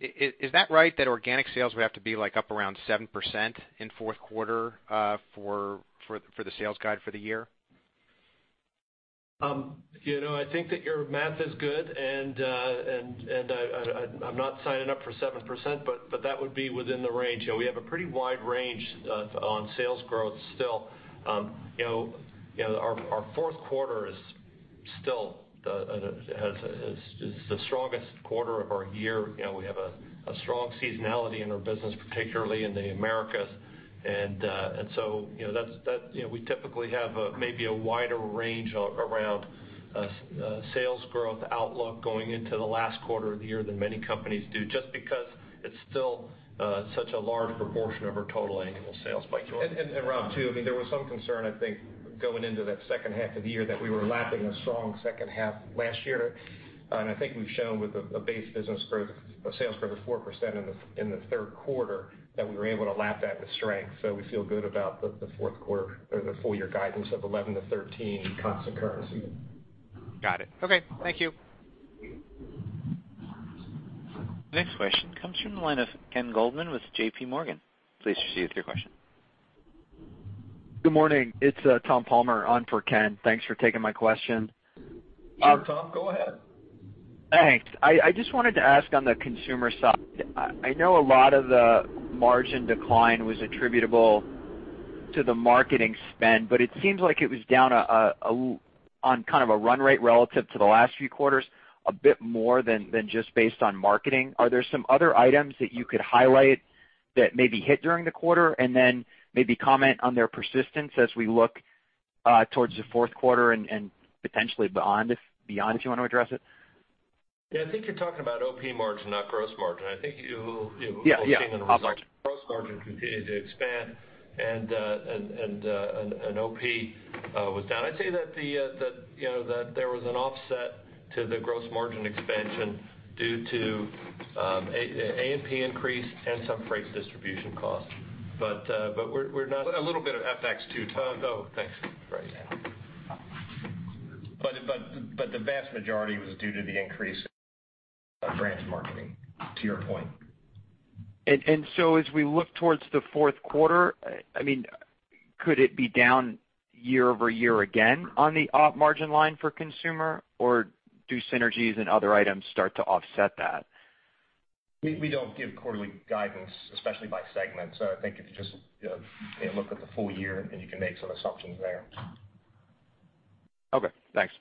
Is that right, that organic sales would have to be up around 7% in the fourth quarter for the sales guide for the year? I think that your math is good, and I'm not signing up for 7%, but that would be within the range. We have a pretty wide range on sales growth still. Our fourth quarter is still the strongest quarter of our year. We have a strong seasonality in our business, particularly in the Americas. We typically have maybe a wider range around sales growth outlook going into the last quarter of the year than many companies do, just because it's still such a large proportion of our total annual sales. Mike, do you want to? Rob too, there was some concern, I think, going into that second half of the year that we were lapping a strong second half last year. I think we've shown with a base business growth, a sales growth of 4% in the third quarter, that we were able to lap that with strength. We feel good about the fourth quarter or the full-year guidance of 11%-13% constant currency. Got it. Okay. Thank you. The next question comes from the line of Ken Goldman with J.P. Morgan. Please proceed with your question. Good morning. It's Thomas Palmer on for Ken. Thanks for taking my question. Sure, Tom, go ahead. Thanks. I just wanted to ask on the consumer side, I know a lot of the margin decline was attributable to the marketing spend, but it seems like it was down on kind of a run rate relative to the last few quarters, a bit more than just based on marketing. Are there some other items that you could highlight that maybe hit during the quarter, and then maybe comment on their persistence as we look towards the fourth quarter and potentially beyond, if you want to address it? Yeah, I think you're talking about OP margin, not gross margin. Yeah. OP margin gross margin continued to expand. OP was down. I'd say that there was an offset to the gross margin expansion due to A&P increase and some freight distribution costs. A little bit of FX too, Tom. Oh, thanks. Right. Yeah. The vast majority was due to the increase of brand marketing, to your point. As we look towards the fourth quarter, could it be down year-over-year again on the OP margin line for consumer, or do synergies and other items start to offset that? We don't give quarterly guidance, especially by segment. I think if you just look at the full year, and you can make some assumptions there. Okay, thanks.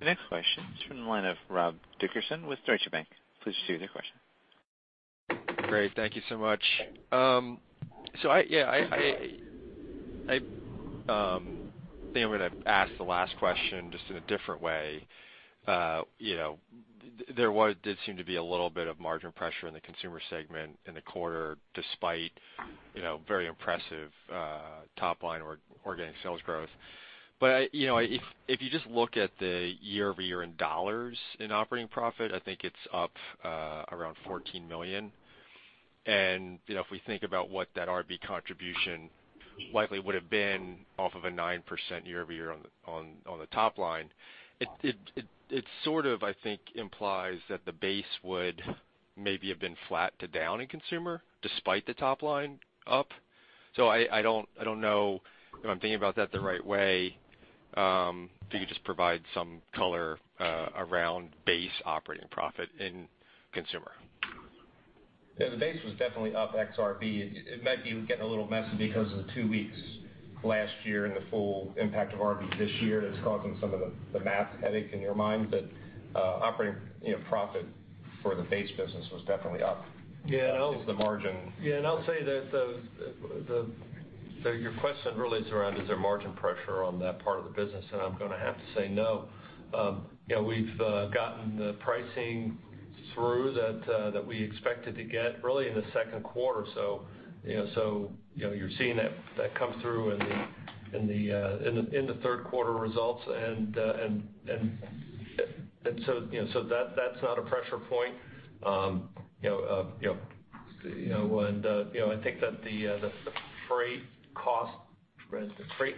The next question's from the line of Robert Dickerson with Deutsche Bank. Please proceed with your question. Great. Thank you so much. I think I'm going to ask the last question just in a different way. There did seem to be a little bit of margin pressure in the consumer segment in the quarter, despite very impressive top-line organic sales growth. If you just look at the year-over-year in dollars in operating profit, I think it's up around $14 million. If we think about what that RB contribution likely would've been off of a 9% year-over-year on the top line, it sort of, I think, implies that the base would maybe have been flat to down in consumer, despite the top line up. I don't know if I'm thinking about that the right way. If you could just provide some color around base operating profit in consumer. Yeah, the base was definitely up ex RB. It might be getting a little messy because of the two weeks last year and the full impact of RB this year that's causing some of the math headache in your mind. Operating profit for the base business was definitely up. Yeah. It's the margin. Yeah. I'll say that your question really is around, is there margin pressure on that part of the business, and I'm going to have to say no. We've gotten the pricing through that we expected to get really in the second quarter. You're seeing that come through in the third quarter results. That's not a pressure point. I think that the freight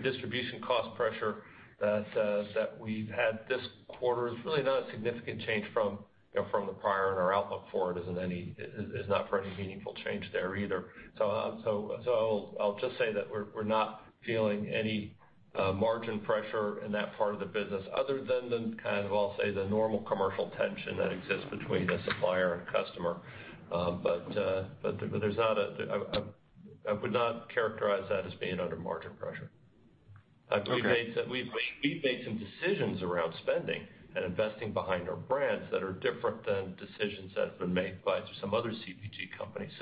distribution cost pressure that we've had this quarter is really not a significant change from the prior, and our outlook for it is not for any meaningful change there either. I'll just say that we're not feeling any margin pressure in that part of the business other than the, I'll say, the normal commercial tension that exists between a supplier and customer. I would not characterize that as being under margin pressure. Okay. We've made some decisions around spending and investing behind our brands that are different than decisions that have been made by some other CPG companies.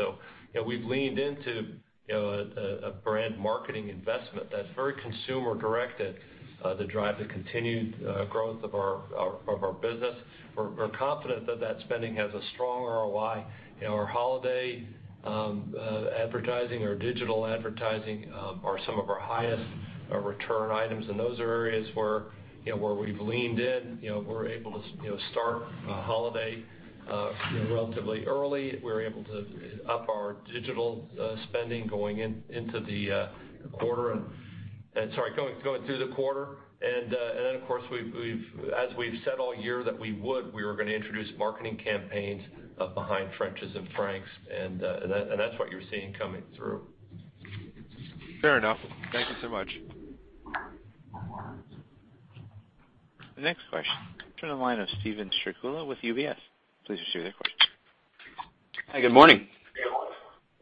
We've leaned into a brand marketing investment that's very consumer-directed to drive the continued growth of our business. We're confident that that spending has a strong ROI. Our holiday advertising, our digital advertising are some of our highest return items, and those are areas where we've leaned in. We're able to start holiday relatively early. We're able to up our digital spending going through the quarter. Of course, as we've said all year that we would, we were going to introduce marketing campaigns behind French's and Frank's, and that's what you're seeing coming through. Fair enough. Thank you so much. The next question, turn to the line of Steven Strycula with UBS. Please proceed with your question. Hi, good morning.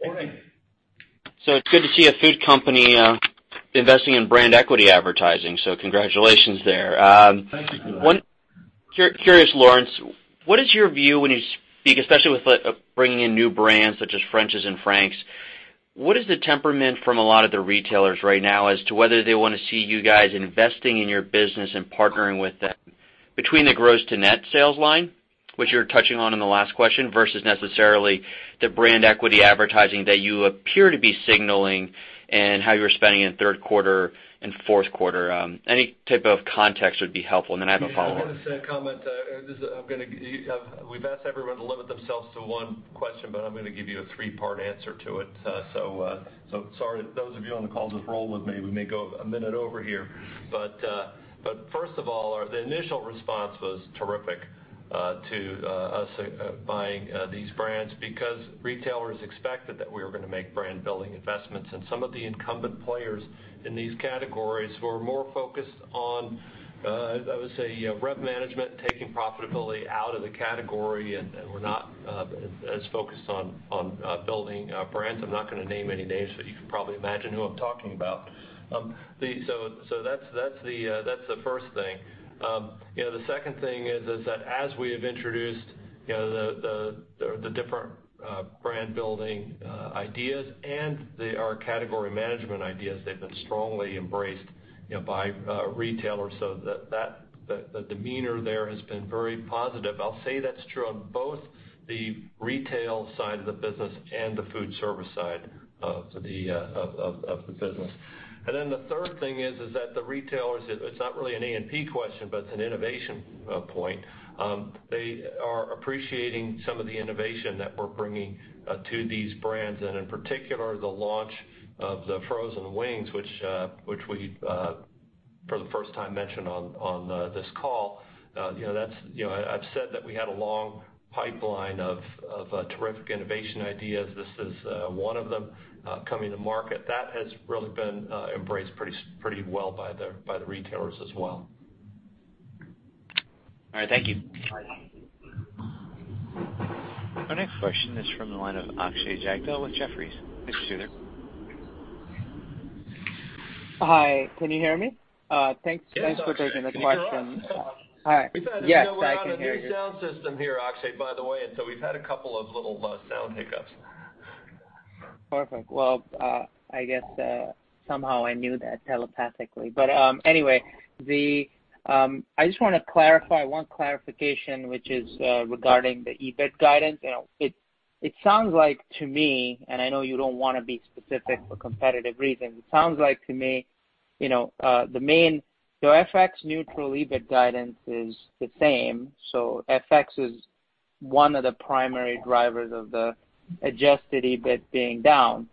Good morning. It's good to see a food company investing in brand equity advertising, so congratulations there. Thank you for that. Curious, Lawrence, what is your view when you speak, especially with bringing in new brands such as French's and Frank's, what is the temperament from a lot of the retailers right now as to whether they want to see you guys investing in your business and partnering with them between the gross to net sales line, which you were touching on in the last question, versus necessarily the brand equity advertising that you appear to be signaling and how you're spending in third quarter and fourth quarter? Any type of context would be helpful, and then I have a follow-up. I was going to say a comment. We've asked everyone to limit themselves to one question, but I'm going to give you a three-part answer to it. Sorry, those of you on the call, just roll with me. We may go a minute over here. First of all, the initial response was terrific to us buying these brands because retailers expected that we were going to make brand-building investments and some of the incumbent players in these categories who are more focused on, I would say, rep management, taking profitability out of the category, and were not as focused on building brands. I'm not going to name any names, but you can probably imagine who I'm talking about. That's the first thing. The second thing is that as we have introduced the different brand-building ideas and our category management ideas, they've been strongly embraced by retailers. The demeanor there has been very positive. I'll say that's true on both the retail side of the business and the food service side of the business. The third thing is that the retailers, it's not really an A&P question, but it's an innovation point. They are appreciating some of the innovation that we're bringing to these brands, and in particular, the launch of the frozen wings, which we, for the first time, mentioned on this call. I've said that we had a long pipeline of terrific innovation ideas. This is one of them coming to market. That has really been embraced pretty well by the retailers as well. All right. Thank you. All right. Our next question is from the line of Akshay Jagdale with Jefferies. Please proceed. Hi, can you hear me? Thanks for taking the question. Yes, Akshay, can hear you. All right. Yes, I can hear you. We're on a new sound system here, Akshay, by the way, and so we've had a couple of little sound hiccups. Perfect. Well, I guess, somehow I knew that telepathically. Anyway, I just want one clarification, which is regarding the EBIT guidance. It sounds like to me, and I know you don't want to be specific for competitive reasons, it sounds like to me, the FX neutral EBIT guidance is the same. FX is one of the primary drivers of the adjusted EBIT being down.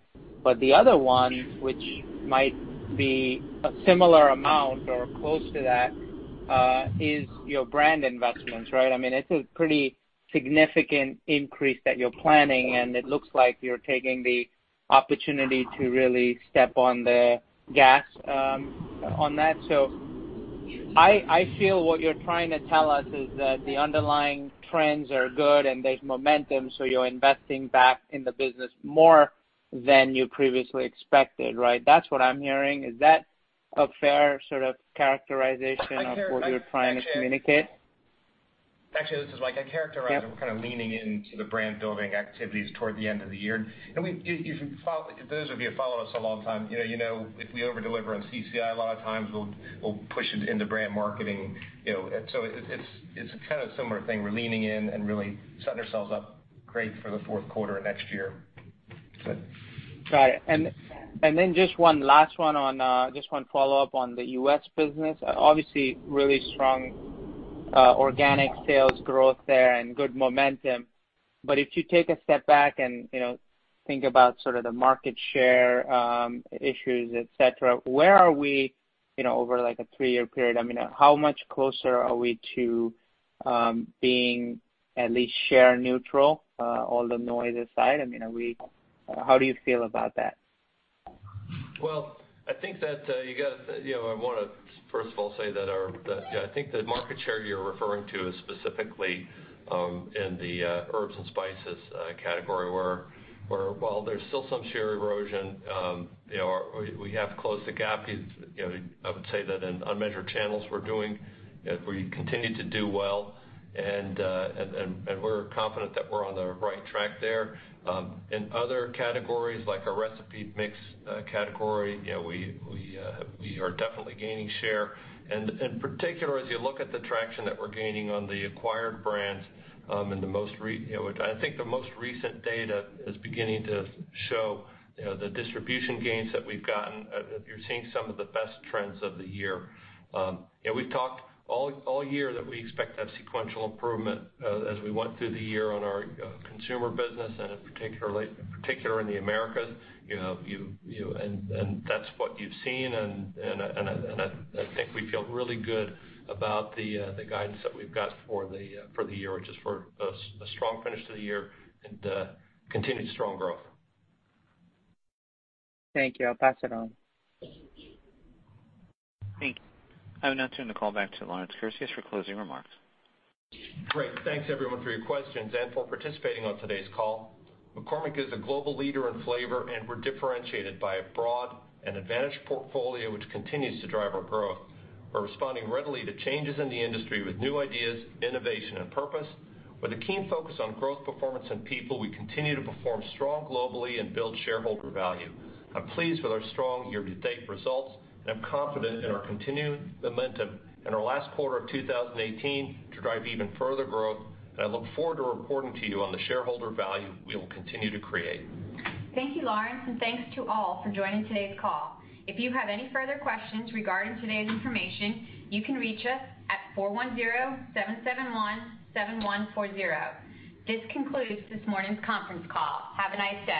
The other one, which might be a similar amount or close to that, is your brand investments, right? It's a pretty significant increase that you're planning, and it looks like you're taking the opportunity to really step on the gas on that. I feel what you're trying to tell us is that the underlying trends are good and there's momentum, so you're investing back in the business more than you previously expected, right? That's what I'm hearing. Is that a fair sort of characterization of what you're trying to communicate? Actually, this is Mike. I characterize it- Yep We're kind of leaning into the brand-building activities toward the end of the year. Those of you who follow us a long time, you know if we over-deliver on CCI line. At times, we'll push it into brand marketing. It's kind of a similar thing. We're leaning in and really setting ourselves up great for the fourth quarter of next year. Got it. Just one follow-up on the U.S. business. Obviously, really strong organic sales growth there and good momentum. If you take a step back and think about sort of the market share issues, et cetera, where are we over a three-year period? How much closer are we to being at least share neutral, all the noise aside? How do you feel about that? Well, I want to first of all say that I think the market share you're referring to is specifically in the herbs and spices category, where while there's still some share erosion, we have closed the gap. I would say that in unmeasured channels we continue to do well, and we're confident that we're on the right track there. In other categories, like our recipe mix category, we are definitely gaining share. In particular, as you look at the traction that we're gaining on the acquired brands, I think the most recent data is beginning to show the distribution gains that we've gotten. You're seeing some of the best trends of the year. We've talked all year that we expect to have sequential improvement as we went through the year on our consumer business and in particular in the Americas, and that's what you've seen, and I think we feel really good about the guidance that we've got for the year, which is for a strong finish to the year and continued strong growth. Thank you. I'll pass it on. Thank you. I am now turning the call back to Lawrence Kurzius for closing remarks. Great. Thanks everyone for your questions and for participating on today's call. McCormick is a global leader in flavor, and we're differentiated by a broad and advantaged portfolio, which continues to drive our growth. We're responding readily to changes in the industry with new ideas, innovation, and purpose. With a keen focus on growth, performance, and people, we continue to perform strong globally and build shareholder value. I'm pleased with our strong year-to-date results, and I'm confident in our continued momentum in our last quarter of 2018 to drive even further growth, and I look forward to reporting to you on the shareholder value we will continue to create. Thank you, Lawrence, and thanks to all for joining today's call. If you have any further questions regarding today's information, you can reach us at 410-771-7140. This concludes this morning's conference call. Have a nice day.